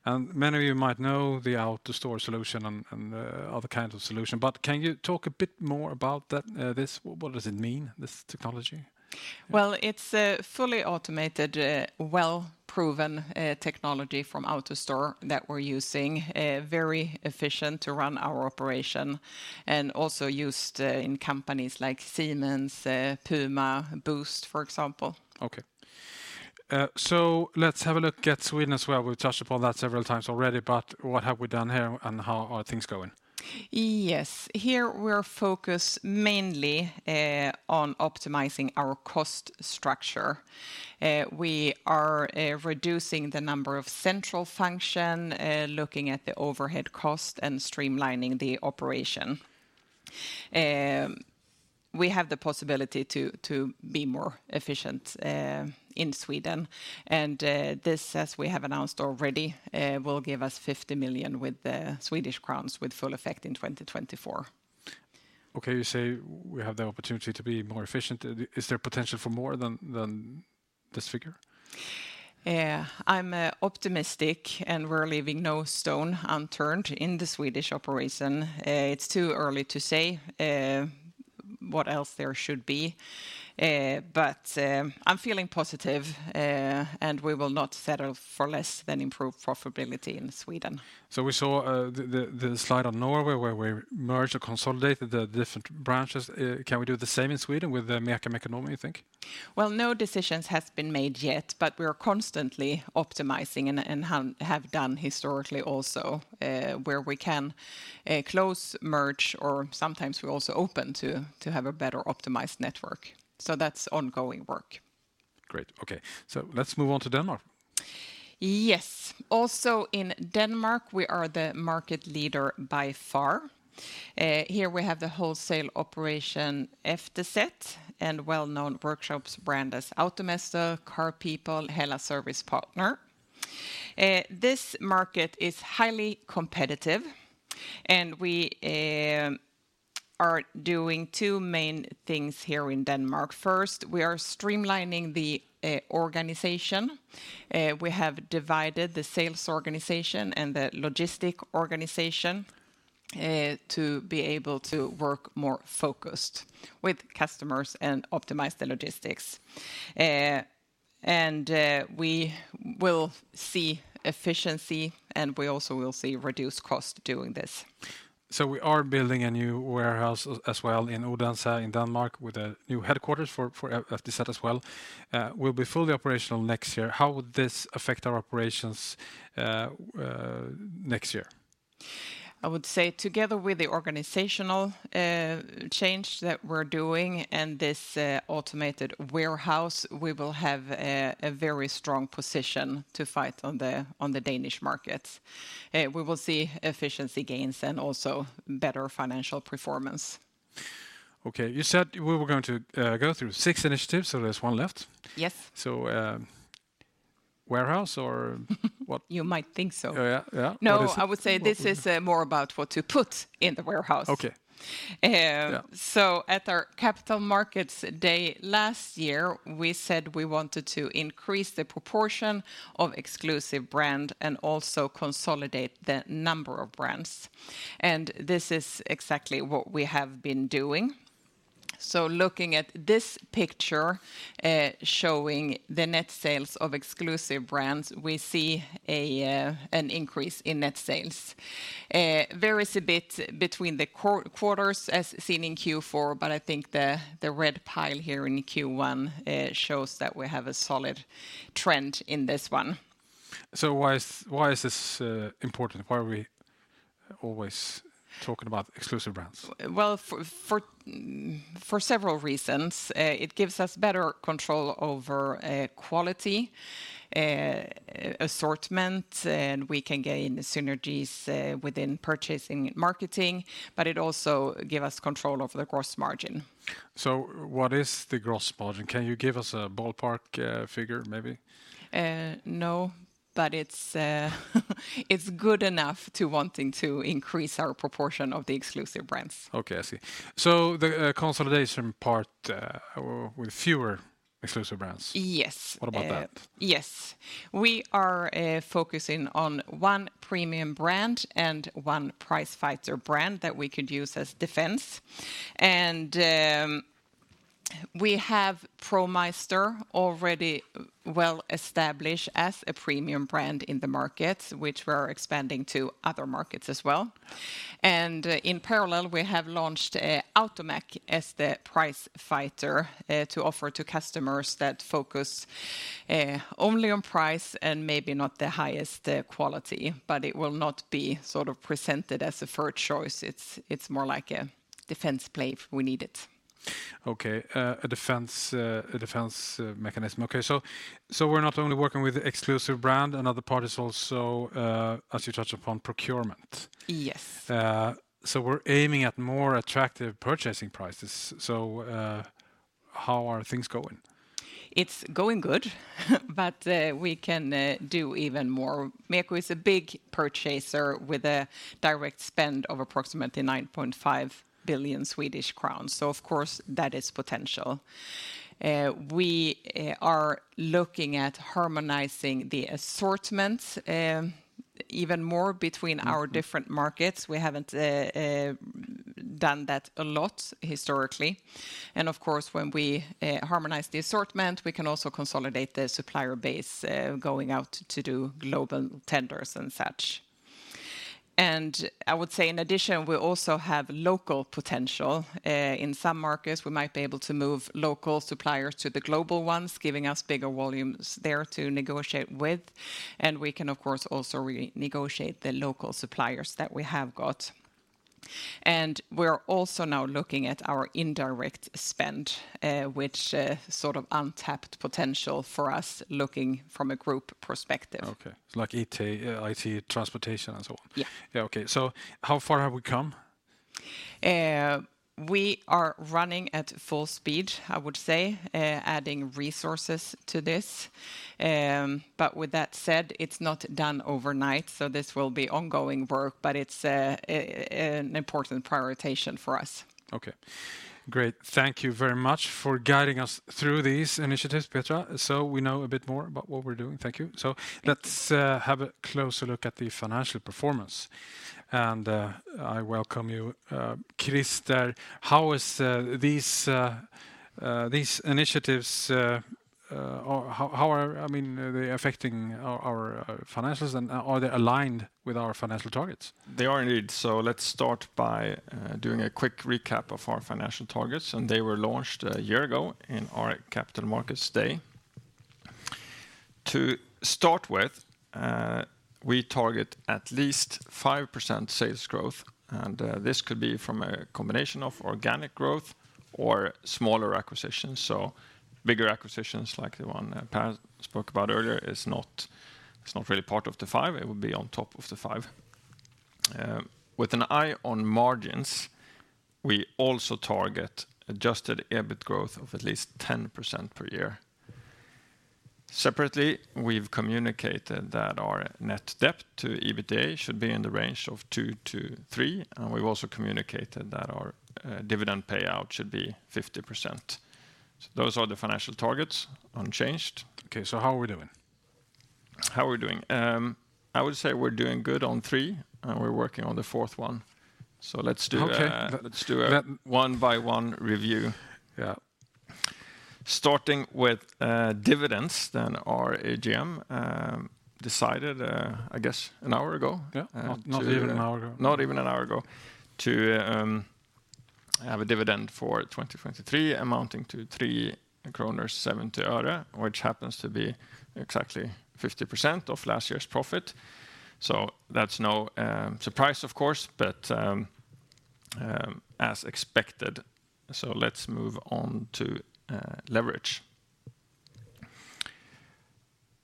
and many of you might know the AutoStore solution and other kind of solution, but can you talk a bit more about that, this? What does it mean, this technology? Well, it's a fully automated, well-proven, technology from AutoStore that we're using, very efficient to run our operation, and also used in companies like Siemens, Puma, Boozt, for example. Okay. So let's have a look at Sweden as well. We've touched upon that several times already, but what have we done here, and how are things going? Yes. Here, we're focused mainly on optimizing our cost structure. We are reducing the number of central function, looking at the overhead cost, and streamlining the operation. We have the possibility to be more efficient in Sweden, and this, as we have announced already, will give us 50 million, with full effect in 2024. Okay, you say we have the opportunity to be more efficient. Is there potential for more than this figure? I'm optimistic, and we're leaving no stone unturned in the Swedish operation. It's too early to say what else there should be, but I'm feeling positive, and we will not settle for less than improved profitability in Sweden. So we saw the slide on Norway, where we merged and consolidated the different branches. Can we do the same in Sweden with the MEKO and Mekonomen, you think? Well, no decisions has been made yet, but we are constantly optimizing and have done historically also, where we can close, merge, or sometimes we also open to have a better optimized network. So that's ongoing work. Great. Okay, so let's move on to Denmark.... Yes. Also in Denmark, we are the market leader by far. Here we have the wholesale operation, FTZ, and well-known workshops brand as AutoMester, CarPeople, Hella Service Partner. This market is highly competitive, and we are doing two main things here in Denmark. First, we are streamlining the organization. We have divided the sales organization and the logistic organization to be able to work more focused with customers and optimize the logistics. And we will see efficiency, and we also will see reduced cost doing this. So we are building a new warehouse as well in Odense, in Denmark, with a new headquarters for FTZ as well. We'll be fully operational next year. How would this affect our operations next year? I would say together with the organizational change that we're doing and this automated warehouse, we will have a very strong position to fight on the Danish markets. We will see efficiency gains and also better financial performance. Okay, you said we were going to go through six initiatives, so there's one left. Yes. So, warehouse or what? You might think so. Oh, yeah, yeah. No, I would say this is- more about what to put in the warehouse. Okay. Uh- Yeah... so at our Capital Markets Day last year, we said we wanted to increase the proportion of exclusive brand and also consolidate the number of brands, and this is exactly what we have been doing. So looking at this picture, showing the net sales of exclusive brands, we see an increase in net sales. Varies a bit between the quarters, as seen in Q4, but I think the red pile here in Q1 shows that we have a solid trend in this one. So why is this important? Why are we always talking about exclusive brands? Well, for several reasons. It gives us better control over quality, assortment, and we can gain the synergies within purchasing, marketing, but it also give us control over the gross margin. What is the gross margin? Can you give us a ballpark figure, maybe? No, but it's good enough to wanting to increase our proportion of the exclusive brands. Okay, I see. So the consolidation part with fewer exclusive brands? Yes. What about that? Yes. We are focusing on one premium brand and one price fighter brand that we could use as defense. We have ProMeister already well-established as a premium brand in the markets, which we are expanding to other markets as well. In parallel, we have launched Automac as the price fighter to offer to customers that focus only on price and maybe not the highest quality, but it will not be sort of presented as a first choice. It's, it's more like a defense play if we need it. Okay, a defense mechanism. Okay, so we're not only working with exclusive brand, another part is also, as you touched upon, procurement. Yes. We're aiming at more attractive purchasing prices. So, how are things going? It's going good, but we can do even more. MEKO is a big purchaser with a direct spend of approximately 9.5 billion Swedish crowns, so of course, that is potential. We are looking at harmonizing the assortments, even more between our different markets. We haven't done that a lot historically. And of course, when we harmonize the assortment, we can also consolidate the supplier base, going out to do global tenders and such. And I would say, in addition, we also have local potential. In some markets, we might be able to move local suppliers to the global ones, giving us bigger volumes there to negotiate with, and we can, of course, also re-negotiate the local suppliers that we have got. We're also now looking at our indirect spend, which sort of untapped potential for us, looking from a group perspective. Okay. It's like IT, transportation, and so on? Yeah. Yeah, okay. So how far have we come? We are running at full speed, I would say, adding resources to this. But with that said, it's not done overnight, so this will be ongoing work, but it's an important prioritization for us. Okay. Great. Thank you very much for guiding us through these initiatives, Petra, so we know a bit more about what we're doing. Thank you. Thanks. So let's have a closer look at the financial performance. And I welcome you, Christer. How are these initiatives... I mean, are they affecting our financials, and are they aligned with our financial targets? They are indeed. So let's start by doing a quick recap of our financial targets, and they were launched a year ago in our Capital Markets Day. To start with, we target at least 5% sales growth, and this could be from a combination of organic growth or smaller acquisitions. So bigger acquisitions, like the one that Pehr spoke about earlier, is not, it's not really part of the five. It would be on top of the five. With an eye on margins, we also target Adjusted EBIT growth of at least 10% per year. Separately, we've communicated that our Net debt to EBITDA should be in the range of two-three, and we've also communicated that our dividend payout should be 50%. So those are the financial targets unchanged. Okay, so how are we doing? How are we doing? I would say we're doing good on three, and we're working on the fourth one. So let's do a- Okay... let's do a one-by-one review. Yeah. Starting with dividends, then our AGM decided, I guess an hour ago- Yeah -uh, to- Not even an hour ago. Not even an hour ago, to have a dividend for 2023, amounting to 3.70 kronor, which happens to be exactly 50% of last year's profit. So that's no surprise, of course, but as expected. So let's move on to leverage.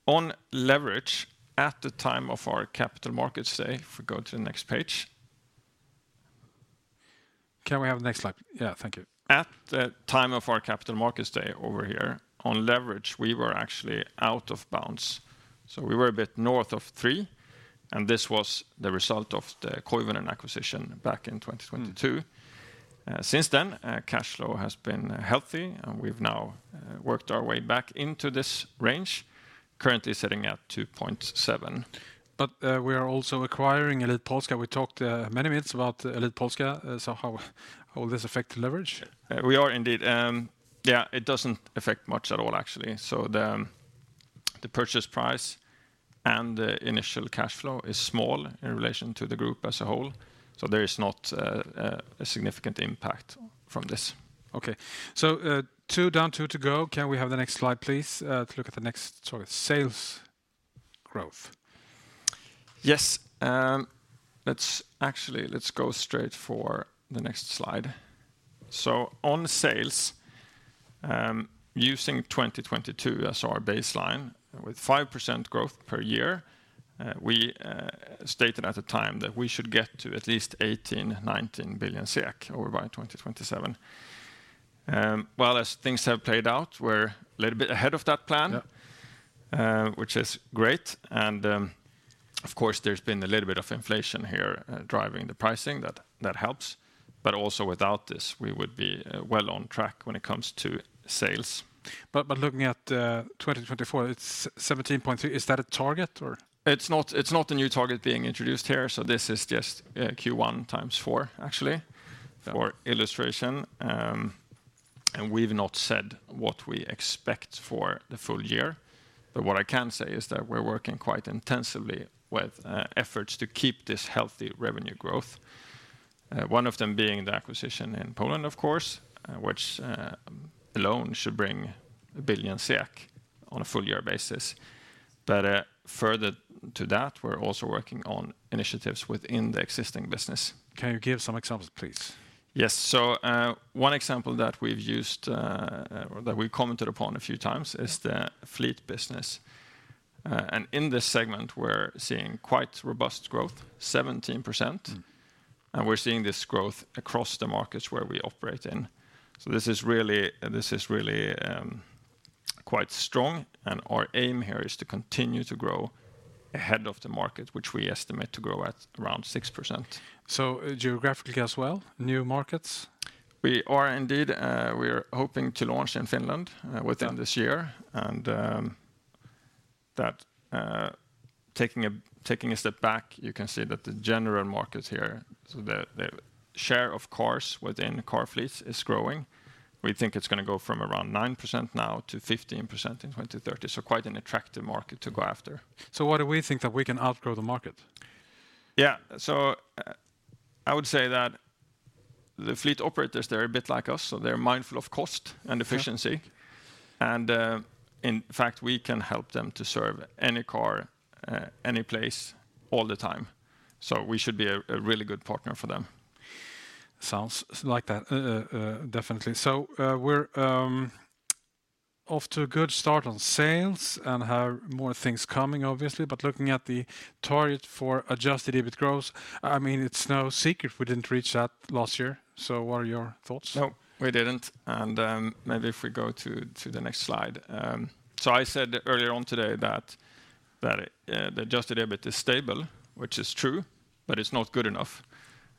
On leverage, at the time of our Capital Markets Day... If we go to the next page. Can we have the next slide? Yeah, thank you. At the time of our Capital Markets Day over here, on leverage, we were actually out of bounds. So we were a bit north of 3, and this was the result of the Koivunen acquisition back in 2022. Mm. Since then, cash flow has been healthy, and we've now worked our way back into this range, currently sitting at 2.7. But, we are also acquiring Elit Polska. We talked many minutes about Elit Polska, so how, how will this affect the leverage? We are indeed. Yeah, it doesn't affect much at all, actually. So the purchase price and the initial cash flow is small in relation to the group as a whole, so there is not a significant impact from this. Okay. So, two down, two to go. Can we have the next slide, please? To look at the next target, sales growth. Yes. Actually, let's go straight for the next slide. So on sales, using 2022 as our baseline, with 5% growth per year, we stated at the time that we should get to at least 18 billion- 19 billion SEK over by 2027. Well, as things have played out, we're a little bit ahead of that plan. Yeah... which is great, and, of course, there's been a little bit of inflation here, driving the pricing. That, that helps. But also, without this, we would be, well on track when it comes to sales. But looking at 2024, it's 17.3. Is that a target, or? It's not, it's not a new target being introduced here, so this is just Q1 x 4, actually- Yeah... for illustration. We've not said what we expect for the full year, but what I can say is that we're working quite intensively with efforts to keep this healthy revenue growth. One of them being the acquisition in Poland, of course, which alone should bring 1 billion SEK on a full year basis. Further to that, we're also working on initiatives within the existing business. Can you give some examples, please? Yes. So, one example that we've used, or that we've commented upon a few times is- Yeah... the fleet business. In this segment, we're seeing quite robust growth, 17%. Mm. We're seeing this growth across the markets where we operate in. So this is really, this is really, quite strong, and our aim here is to continue to grow ahead of the market, which we estimate to grow at around 6%. Geographically as well, new markets? We are indeed, we are hoping to launch in Finland. Yeah... within this year. And that, taking a step back, you can see that the general markets here, so the share of cars within the car fleet is growing. We think it's gonna go from around 9% now to 15% in 2030, so quite an attractive market to go after. So why do we think that we can outgrow the market? Yeah, so, I would say that the fleet operators, they're a bit like us, so they're mindful of cost and efficiency. Yeah. In fact, we can help them to serve any car, any place, all the time. So we should be a really good partner for them. Sounds like that, definitely. So, we're off to a good start on sales and have more things coming, obviously, but looking at the target for Adjusted EBIT growth, I mean, it's no secret we didn't reach that last year. So what are your thoughts? No, we didn't, and maybe if we go to the next slide. So I said earlier on today that the Adjusted EBIT is stable, which is true, but it's not good enough.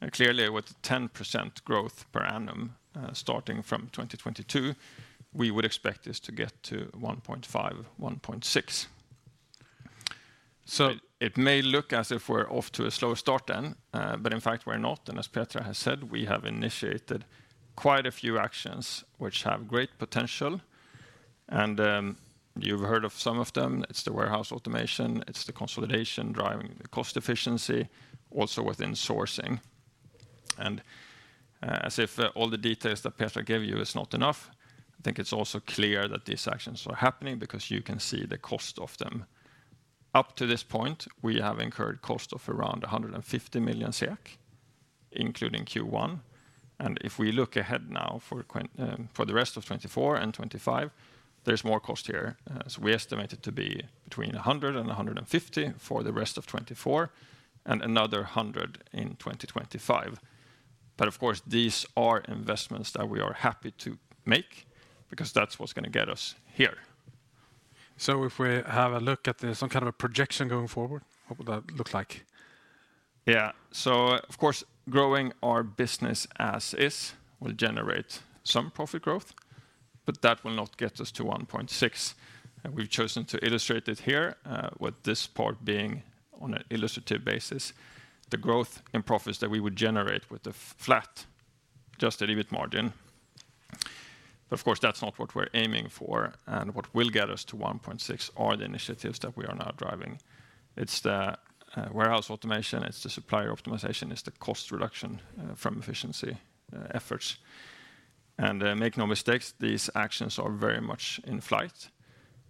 And clearly, with 10% growth per annum, starting from 2022, we would expect this to get to 1.5, 1.6. Right. So it may look as if we're off to a slow start then, but in fact, we're not, and as Petra has said, we have initiated quite a few actions which have great potential, and, you've heard of some of them. It's the warehouse automation, it's the consolidation, driving the cost efficiency, also within sourcing. And, as if all the details that Petra gave you is not enough, I think it's also clear that these actions are happening because you can see the cost of them. Up to this point, we have incurred cost of around 150 million including Q1, and if we look ahead now for the rest of 2024 and 2025, there's more cost here. So we estimate it to be between 100 and 150 for the rest of 2024, and another 100 in 2025. But of course, these are investments that we are happy to make, because that's what's gonna get us here. If we have a look at the, some kind of a projection going forward, what would that look like? Yeah. So of course, growing our business as is, will generate some profit growth, but that will not get us to 1.6. And we've chosen to illustrate it here, with this part being on an illustrative basis, the growth and profits that we would generate with the flat, just a little bit margin. But of course, that's not what we're aiming for, and what will get us to 1.6 are the initiatives that we are now driving. It's the, warehouse automation, it's the supplier optimization, it's the cost reduction, from efficiency, efforts. And, make no mistakes, these actions are very much in flight,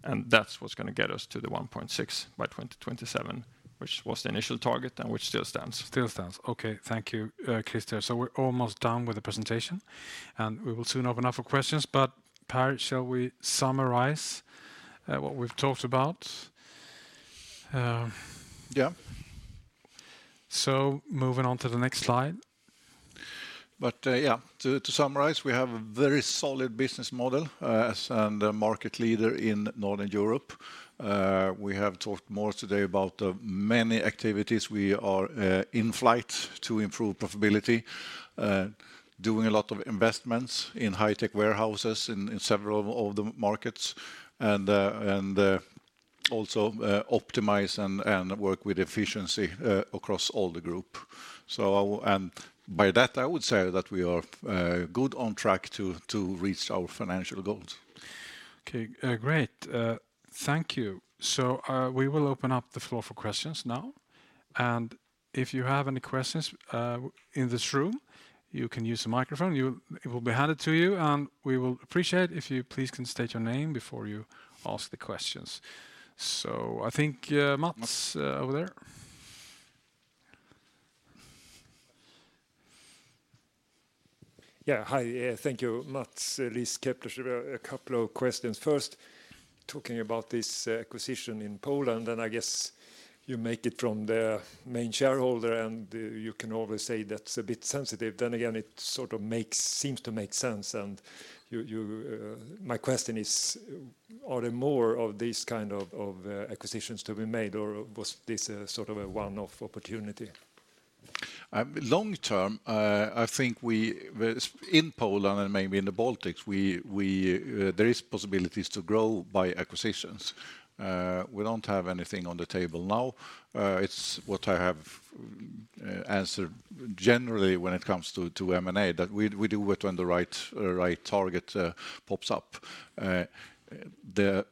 and that's what's gonna get us to the 1.6 by 2027, which was the initial target, and which still stands. Still stands. Okay, thank you, Christer. So we're almost done with the presentation, and we will soon open up for questions. But Pehr, shall we summarize what we've talked about? Yeah. Moving on to the next slide. But, yeah, to summarize, we have a very solid business model, as and a market leader in Northern Europe. We have talked more today about the many activities we are in flight to improve profitability. Doing a lot of investments in high-tech warehouses in several of the markets, and also optimize and work with efficiency across all the group. So, and by that, I would say that we are good on track to reach our financial goals. Okay, great. Thank you. So, we will open up the floor for questions now, and if you have any questions in this room, you can use the microphone. It will be handed to you, and we will appreciate if you please can state your name before you ask the questions. So I think, Mats, over there. Yeah. Hi, thank you. Mats Liss, Kepler Cheuvreux. A couple of questions. First, talking about this acquisition in Poland, and I guess you make it from the main shareholder, and you can always say that's a bit sensitive. Then again, it sort of seems to make sense, and you... My question is, are there more of these kind of acquisitions to be made, or was this a sort of a one-off opportunity? Long term, I think we in Poland and maybe in the Baltics, there is possibilities to grow by acquisitions. We don't have anything on the table now. It's what I have answered generally when it comes to M&A, that we do it when the right target pops up. The,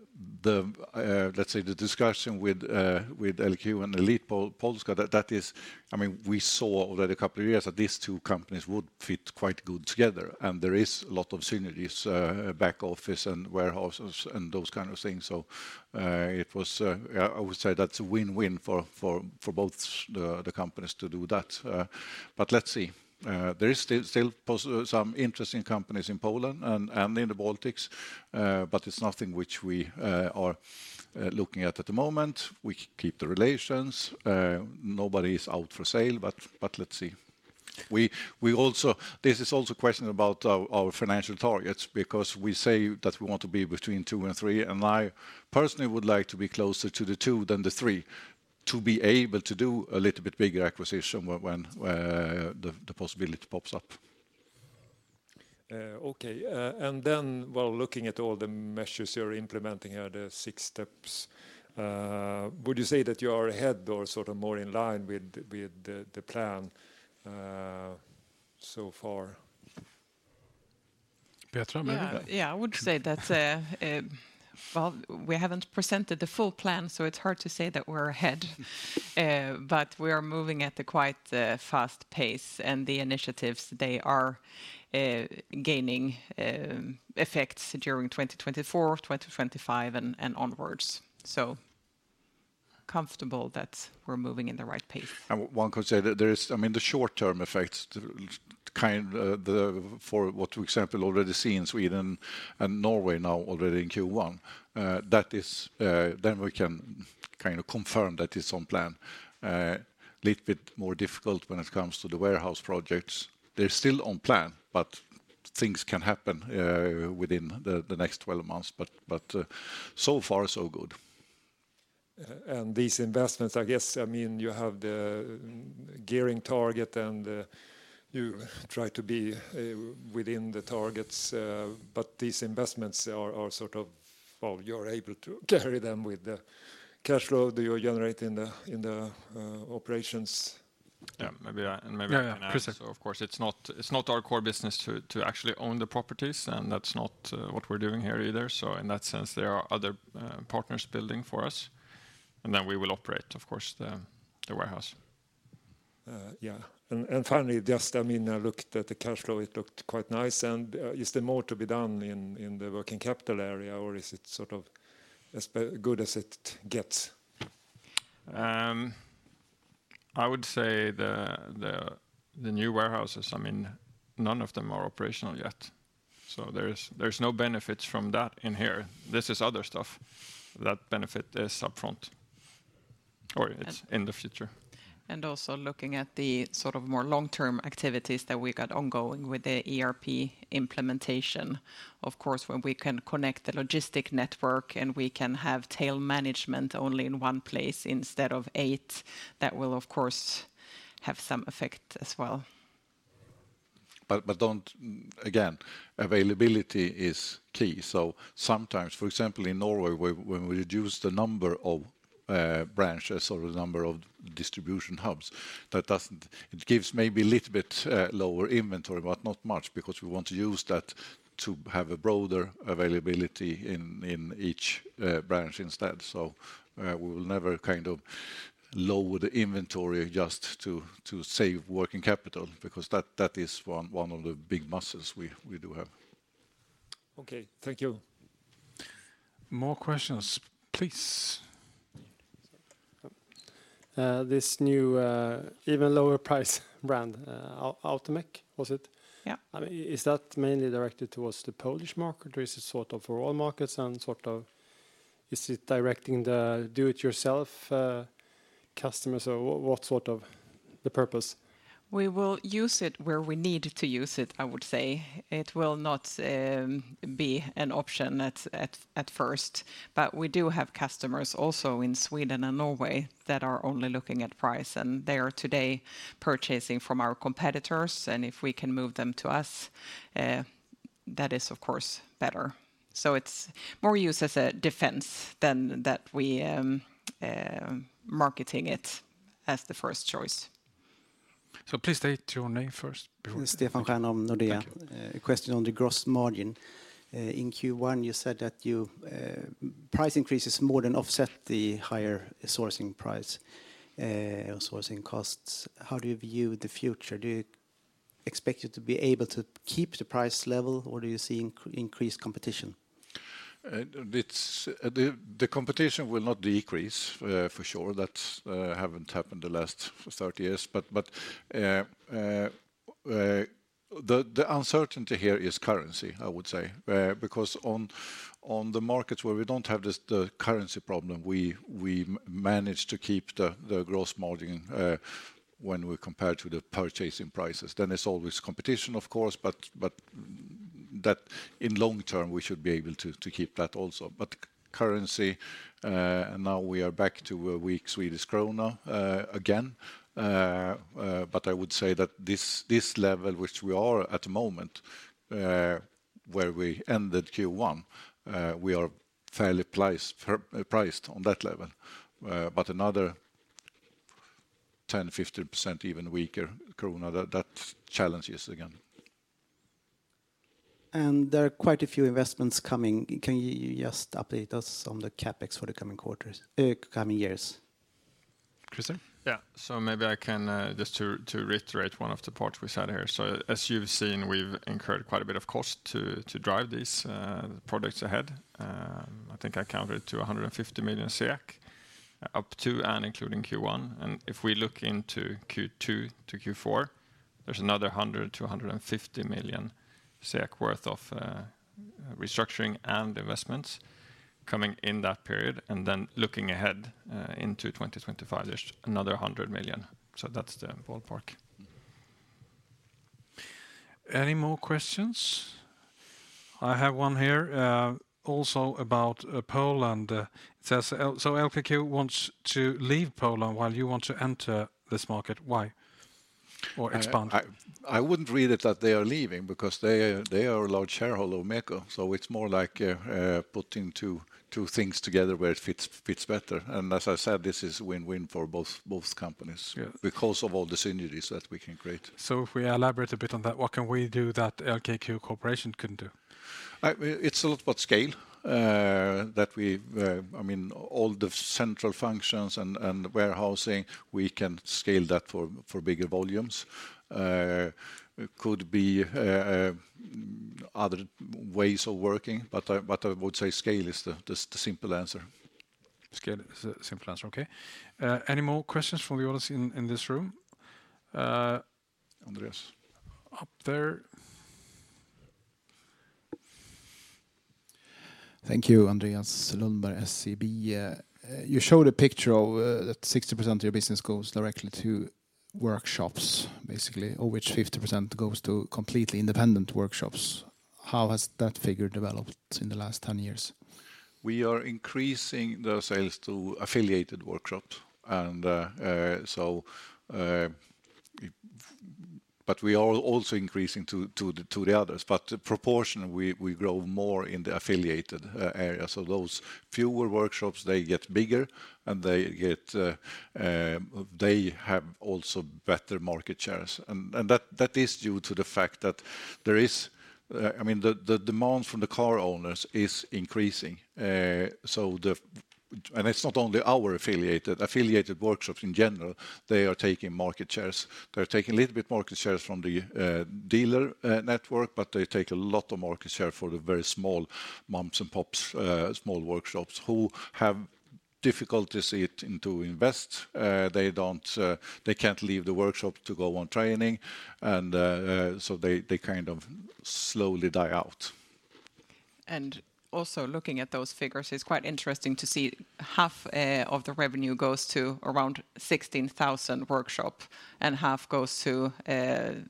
let's say the discussion with LKQ and Elit Polska, that is, I mean, we saw already a couple of years that these two companies would fit quite good together, and there is a lot of synergies back office and warehouses, and those kind of things. So, it was, I would say that's a win-win for both the companies to do that. But let's see. There is still some interesting companies in Poland and in the Baltics, but it's nothing which we are looking at the moment. We keep the relations. Nobody is out for sale, but let's see. We also. This is also a question about our financial targets, because we say that we want to be between 2 and 3, and I personally would like to be closer to the 2 than the 3, to be able to do a little bit bigger acquisition when the possibility pops up. Okay. And then while looking at all the measures you're implementing here, the six steps, would you say that you are ahead or sort of more in line with, with the, the plan, so far? Petra, maybe? Yeah. Yeah, I would say that, well, we haven't presented the full plan, so it's hard to say that we're ahead. But we are moving at a quite fast pace, and the initiatives, they are gaining effects during 2024, 2025, and onwards. So comfortable that we're moving in the right pace. And one could say that there is... I mean, the short-term effects, the kind, for what, for example, already see in Sweden and Norway now already in Q1, that is, then we can kind of confirm that it's on plan. A little bit more difficult when it comes to the warehouse projects. They're still on plan, but things can happen within the next 12 months, but so far, so good. And these investments, I guess, I mean, you have the gearing target, and you try to be within the targets, but these investments are sort of, well, you're able to carry them with the cash flow that you generate in the operations. Yeah, maybe I can add- Yeah, yeah, please.... So of course, it's not our core business to actually own the properties, and that's not what we're doing here either. So in that sense, there are other partners building for us, and then we will operate, of course, the warehouse. Yeah. And finally, just, I mean, I looked at the cash flow, it looked quite nice. And, is there more to be done in the working capital area, or is it sort of as good as it gets? I would say the new warehouses, I mean, none of them are operational yet, so there's no benefits from that in here. This is other stuff that benefit is upfront or it's in the future. Also looking at the sort of more long-term activities that we got ongoing with the ERP implementation. Of course, when we can connect the logistic network, and we can have tail management only in one place instead of eight, that will, of course, have some effect as well. Again, availability is key, so sometimes, for example, in Norway, where, when we reduce the number of branches or the number of distribution hubs, that doesn't... It gives maybe a little bit lower inventory, but not much, because we want to use that to have a broader availability in each branch instead. So, we will never kind of lower the inventory just to save working capital, because that is one of the big muscles we do have. Okay, thank you. More questions, please? This new, even lower price brand, Automac, was it? Yeah. I mean, is that mainly directed towards the Polish market, or is it sort of for all markets, and sort of is it directing the do-it-yourself customers? Or what, what sort of the purpose? We will use it where we need to use it, I would say. It will not be an option at first, but we do have customers also in Sweden and Norway that are only looking at price, and they are today purchasing from our competitors, and if we can move them to us, that is, of course, better. So it's more used as a defense than that we marketing it as the first choice. Please state your name first before- Stefan Jernholm, Nordea. Thank you. A question on the gross margin. In Q1, you said that you price increases more than offset the higher sourcing price or sourcing costs. How do you view the future? Do you expect you to be able to keep the price level, or do you see increased competition? It's the competition will not decrease, for sure. That haven't happened the last 30 years. But the uncertainty here is currency, I would say. Because on the markets where we don't have this, the currency problem, we manage to keep the gross margin, when we compare to the purchasing prices. Then there's always competition, of course, but that in long term, we should be able to keep that also. But currency, now we are back to a weak Swedish krona, again. But I would say that this level, which we are at the moment, where we ended Q1, we are fairly placed-priced on that level. But another 10%-15%, even weaker krona, that challenges us again. There are quite a few investments coming. Can you just update us on the CapEx for the coming quarters, coming years? Christer? Yeah. So maybe I can, just to, to reiterate one of the parts we said here. So as you've seen, we've incurred quite a bit of cost to, to drive these, products ahead. I think I counted to 150 million SEK, up to and including Q1. And if we look into Q2 to Q4, there's another 100 million-150 million SEK worth of, restructuring and investments coming in that period. And then looking ahead, into 2025, there's another 100 million, so that's the ballpark. Any more questions? I have one here, also about Poland. It says, "So LKQ wants to leave Poland while you want to enter this market. Why? Or expand. I wouldn't read it that they are leaving, because they are a large shareholder of MEKO, so it's more like putting two things together where it fits better. And as I said, this is win-win for both companies- Yeah... because of all the synergies that we can create. If we elaborate a bit on that, what can we do that LKQ Corporation couldn't do? It's a lot about scale, that we... I mean, all the central functions and warehousing, we can scale that for bigger volumes. It could be other ways of working, but I would say scale is the simple answer. Scale is the simple answer. Okay. Any more questions from the audience in this room? Andreas, up there. Thank you. Andreas Lundberg, SEB. You showed a picture of that 60% of your business goes directly to workshops, basically, of which 50% goes to completely independent workshops. How has that figure developed in the last 10 years? We are increasing the sales to affiliated workshops, and. But we are also increasing to the others. But proportionally, we grow more in the affiliated area, so those fewer workshops, they get bigger, and they have also better market shares. And that is due to the fact that there is, I mean, the demand from the car owners is increasing. So, and it's not only our affiliated. Affiliated workshops in general, they are taking market shares. They're taking a little bit market shares from the dealer network, but they take a lot of market share from the very small moms and pops small workshops who have difficulty seeing the need to invest. They don't, they can't leave the workshop to go on training, and so they kind of slowly die out. Also looking at those figures, it's quite interesting to see half of the revenue goes to around 16,000 workshops, and half goes to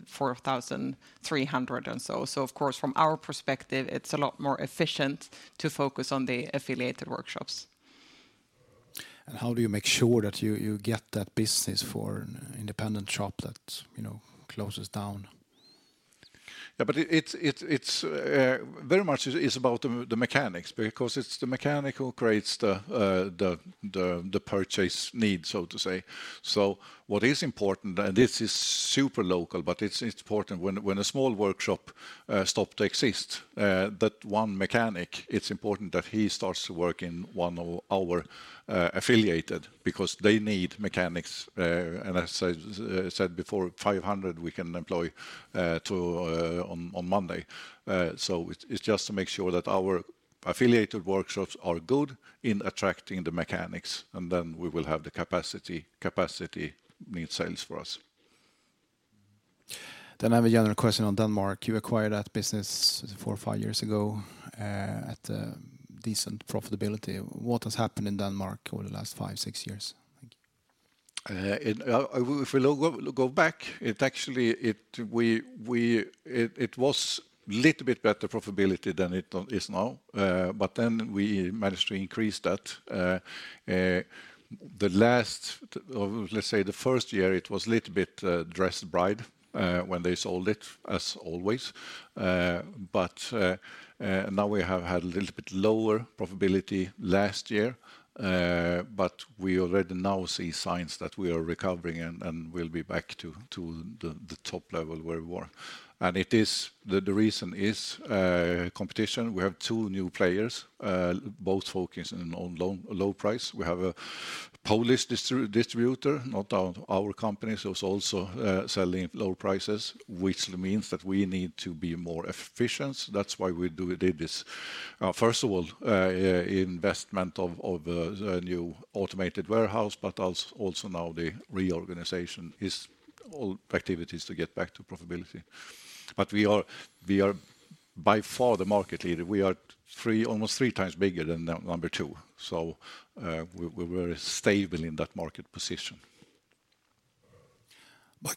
4,300 and so. So of course, from our perspective, it's a lot more efficient to focus on the affiliated workshops. How do you make sure that you get that business for an independent shop that, you know, closes down? Yeah, but it's very much about the mechanics, because it's the mechanic who creates the purchase need, so to say. So what is important, and this is super local, but it's important when a small workshop stop to exist, that one mechanic, it's important that he starts to work in one of our affiliated, because they need mechanics. And as I said before, 500 we can employ too on Monday. So it's just to make sure that our affiliated workshops are good in attracting the mechanics, and then we will have the capacity. Capacity means sales for us. I have a general question on Denmark. You acquired that business 4-5 years ago at a decent profitability. What has happened in Denmark over the last 5-6 years? Thank you. If we go back, it actually was little bit better profitability than it is now, but then we managed to increase that. The last of, let's say, the first year, it was little bit dressed bride when they sold it, as always. But now we have had a little bit lower profitability last year, but we already now see signs that we are recovering and we'll be back to the top level where we were. And the reason is competition. We have two new players, both focusing on low price. We have a Polish distributor, not our company, who's also selling low prices, which means that we need to be more efficient. That's why we did this. First of all, investment of the new automated warehouse, but also now the reorganization is all activities to get back to profitability. But we are by far the market leader. We are 3, almost 3 times bigger than the number two, so, we're very stable in that market position.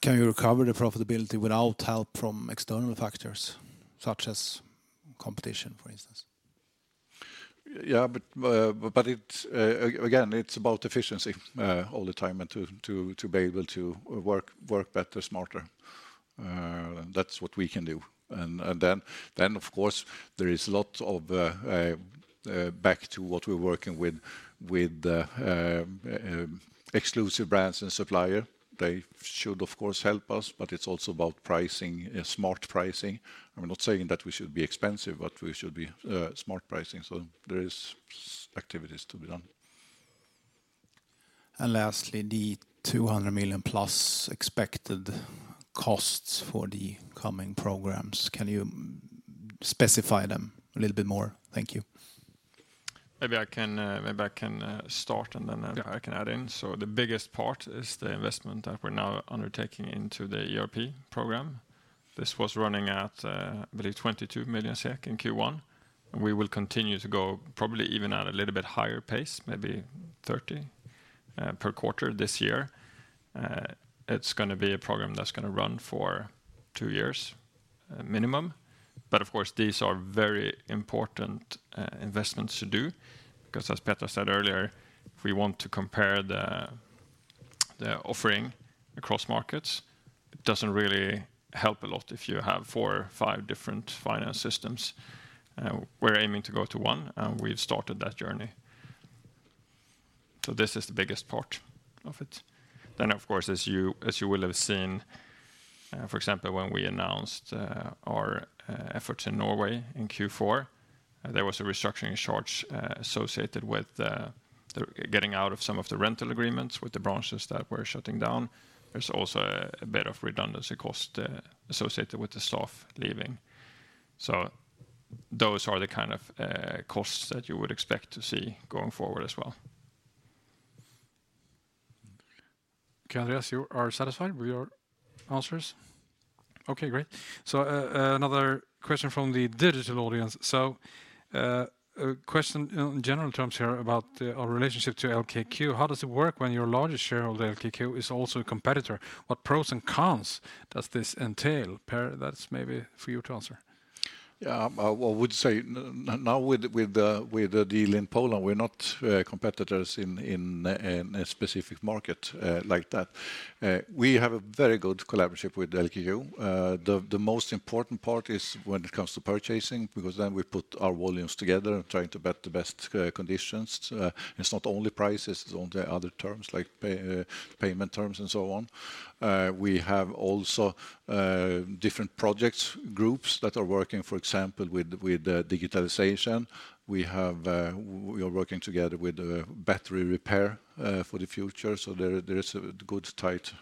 Can you recover the profitability without help from external factors, such as competition, for instance? Yeah, but, but it's, again, it's about efficiency, all the time, and to be able to work better, smarter. That's what we can do. And then, of course, there is lot of back to what we're working with, with exclusive brands and supplier. They should, of course, help us, but it's also about pricing, smart pricing. I'm not saying that we should be expensive, but we should be smart pricing, so there is activities to be done. Lastly, the 200 million+ expected costs for the coming programs, can you specify them a little bit more? Thank you. Maybe I can start, and then. Yeah... I can add in. So the biggest part is the investment that we're now undertaking into the ERP program. This was running at, I believe 22 million SEK in Q1. We will continue to go probably even at a little bit higher pace, maybe 30 per quarter this year. It's gonna be a program that's gonna run for two years, minimum. But of course, these are very important investments to do, because as Pehr said earlier, if we want to compare the, the offering across markets, it doesn't really help a lot if you have four or five different finance systems. We're aiming to go to one, and we've started that journey. So this is the biggest part of it. Then, of course, as you, as you will have seen, for example, when we announced our efforts in Norway in Q4, there was a restructuring charge associated with the getting out of some of the rental agreements with the branches that were shutting down. There's also a bit of redundancy cost associated with the staff leaving. So those are the kind of costs that you would expect to see going forward as well. Andreas, you are satisfied with your answers? Okay, great. So, another question from the digital audience. So, a question in general terms here about our relationship to LKQ. How does it work when your largest shareholder, LKQ, is also a competitor? What pros and cons does this entail? Pehr, that's maybe for you to answer. Yeah, I would say now with the deal in Poland, we're not competitors in a specific market like that. We have a very good collaboration with LKQ. The most important part is when it comes to purchasing, because then we put our volumes together and trying to get the best conditions. It's not only prices, it's on the other terms, like payment terms, and so on. We have also different projects, groups that are working, for example, with digitalization. We are working together with a battery repair for the future, so there is a good, tight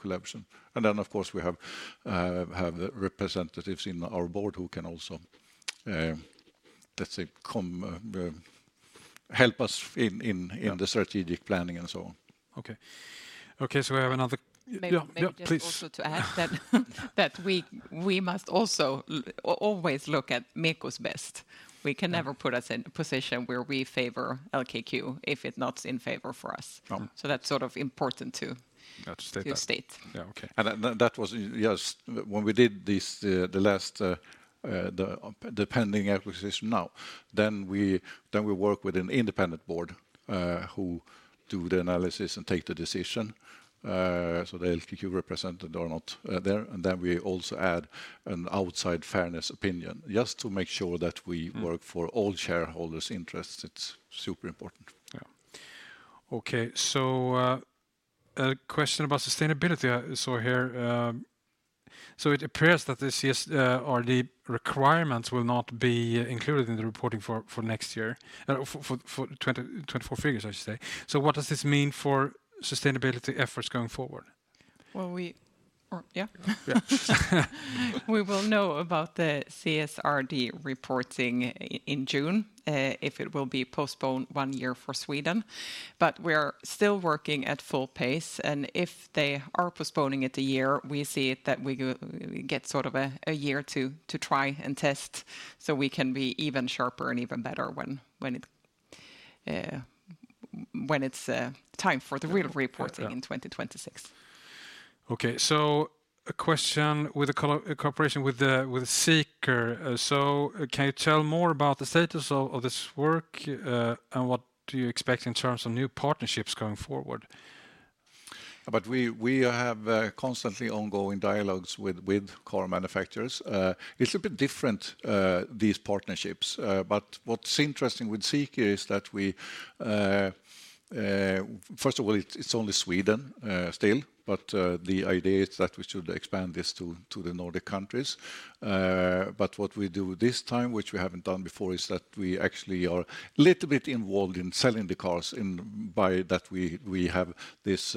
collaboration. And then, of course, we have representatives in our board who can also, let's say, come... help us in the strategic planning and so on. Okay. Okay, so we have another- Maybe- Yeah, yeah, please. Also, to add that, that we, we must also always look at MEKO's best. We can never put us in a position where we favor LKQ, if it's not in favor for us. No. So that's sort of important to- Got to state that.... to state. Yeah, okay. And that was yes, when we did this, the last pending acquisition now, then we work with an independent board who do the analysis and take the decision. So the LKQ representative are not there, and then we also add an outside fairness opinion, just to make sure that we- Mm... work for all shareholders' interests. It's super important. Yeah. Okay, so, a question about sustainability I saw here. So it appears that the CS, or the requirements will not be included in the reporting for next year, for 2024 figures, I should say. So what does this mean for sustainability efforts going forward? Well, we... Or, yeah? Yeah. We will know about the CSRD reporting in June if it will be postponed one year for Sweden, but we're still working at full pace, and if they are postponing it a year, we see it that we get sort of a year to try and test, so we can be even sharper and even better when it's time for the real reporting. Yeah... in 2026. Okay, so a question with a cooperation with ZEEKR. So, "Can you tell more about the status of this work, and what do you expect in terms of new partnerships going forward? But we have constantly ongoing dialogues with car manufacturers. It's a bit different, these partnerships, but what's interesting with ZEEKR is that we... First of all, it's only Sweden still, but the idea is that we should expand this to the Nordic countries. But what we do this time, which we haven't done before, is that we actually are a little bit involved in selling the cars in, by that we have this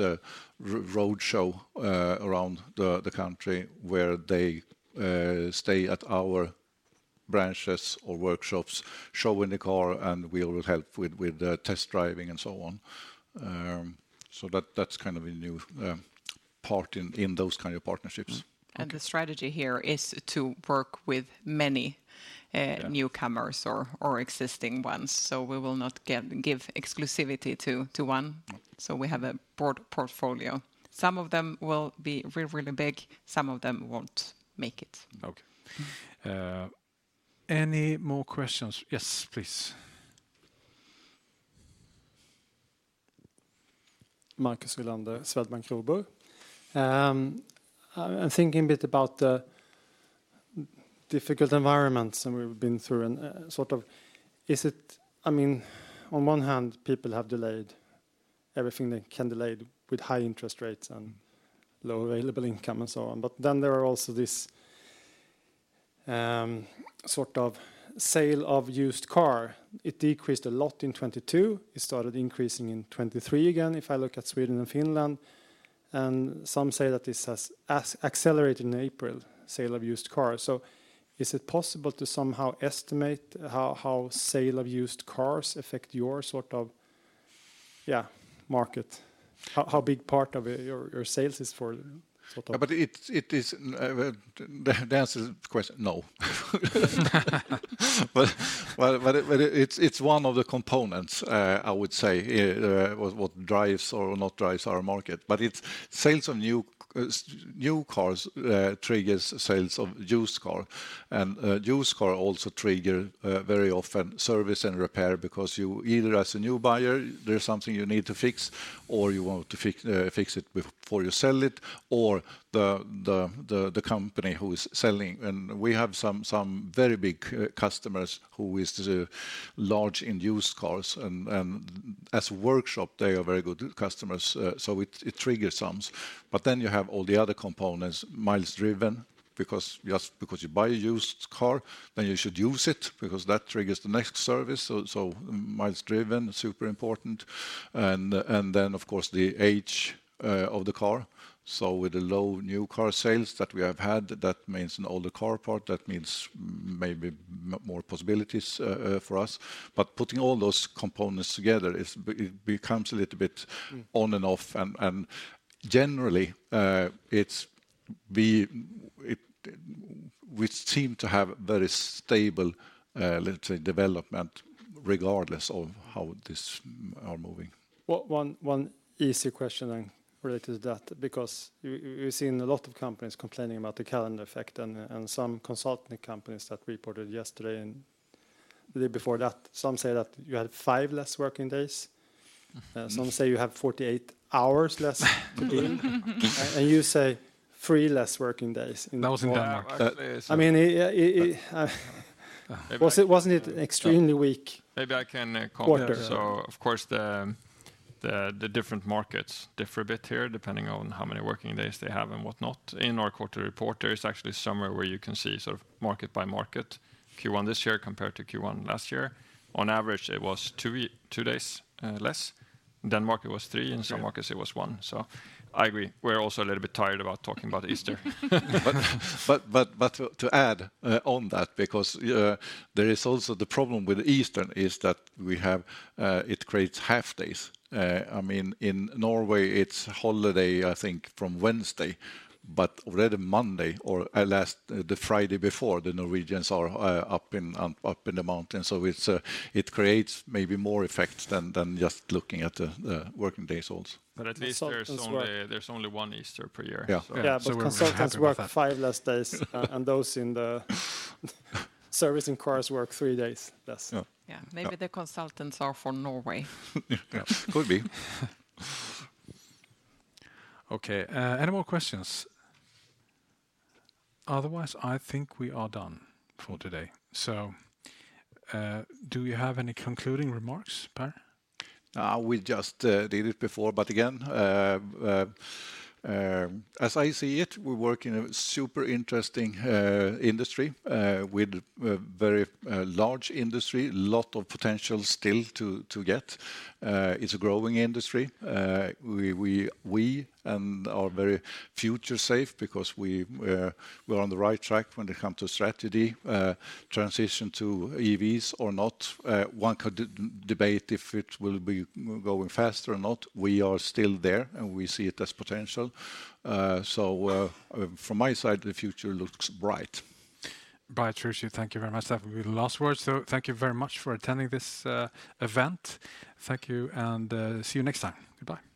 roadshow around the country, where they stay at our branches or workshops, showing the car, and we will help with the test driving and so on. So that's kind of a new part in those kind of partnerships. Mm. Okay. The strategy here is to work with many, Yeah... newcomers or existing ones. So we will not give exclusivity to one. Yeah. We have a broad portfolio. Some of them will be really big, some of them won't make it. Okay. Any more questions? Yes, please. Marcus Wilander, Swedbank Robur. I'm thinking a bit about the difficult environments that we've been through, and sort of, is it... I mean, on one hand, people have delayed everything they can delayed with high interest rates and low available income and so on. But then there are also this sort of sale of used car. It decreased a lot in 2022. It started increasing in 2023 again, if I look at Sweden and Finland, and some say that this has accelerated in April, sale of used cars. So is it possible to somehow estimate how sale of used cars affect your sort of, yeah, market? How big part of it your sales is for sort of- But it is the answer to the question, no. But it's one of the components, I would say, what drives or not drives our market. But it's sales of new cars triggers sales of used car, and used car also trigger very often service and repair because you, either as a new buyer, there's something you need to fix or you want to fix it before you sell it, or the company who is selling. And we have some very big customers who is large in used cars, and as a workshop, they are very good customers. So it triggers some. But then you have all the other components, miles driven, because just because you buy a used car, then you should use it, because that triggers the next service. So, miles driven, super important. And then, of course, the age of the car. So with the low new car sales that we have had, that means an older car parc, that means maybe more possibilities for us. But putting all those components together is, it becomes a little bit- Mm... on and off. Generally, we seem to have very stable, let's say, development regardless of how these are moving. Well, one easy question then related to that, because we've seen a lot of companies complaining about the calendar effect, and some consulting companies that reported yesterday and the day before that. Some say that you had 5 less working days. Some say you have 48 hours less, and you say 3 less working days. That was in Denmark. Yeah, actually, so- I mean, was it, wasn't it extremely weak- Maybe I can comment.... quarter? So of course, the different markets differ a bit here, depending on how many working days they have and whatnot. In our quarter report, there is actually somewhere where you can see sort of market by market, Q1 this year compared to Q1 last year. On average, it was 2 days less. Denmark, it was 3- Yeah... in some markets, it was one. So I agree, we're also a little bit tired about talking about Easter. But to add on that, because there is also the problem with Easter: it creates half days. I mean, in Norway, it's holiday, I think, from Wednesday, but already Monday, or at least the Friday before, the Norwegians are up in the mountains. So it creates maybe more effect than just looking at the working days also. But at least there's only- Consultants work-... there's only one Easter per year. Yeah. Yeah- We're happy with that.... but consultants work 5 less days. And those in the service and cars work 3 days less. Yeah. Yeah, maybe the consultants are from Norway. Yeah, could be. Okay, any more questions? Otherwise, I think we are done for today. So, do you have any concluding remarks, Pehr? We just did it before, but again, as I see it, we work in a super interesting industry with a very large industry, a lot of potential still to get. It's a growing industry. We are very future safe because we're on the right track when it come to strategy, transition to EVs or not. One could debate if it will be going faster or not. We are still there, and we see it as potential. So, from my side, the future looks bright. Right, truly. Thank you very much. That will be the last word. So thank you very much for attending this event. Thank you, and see you next time. Goodbye.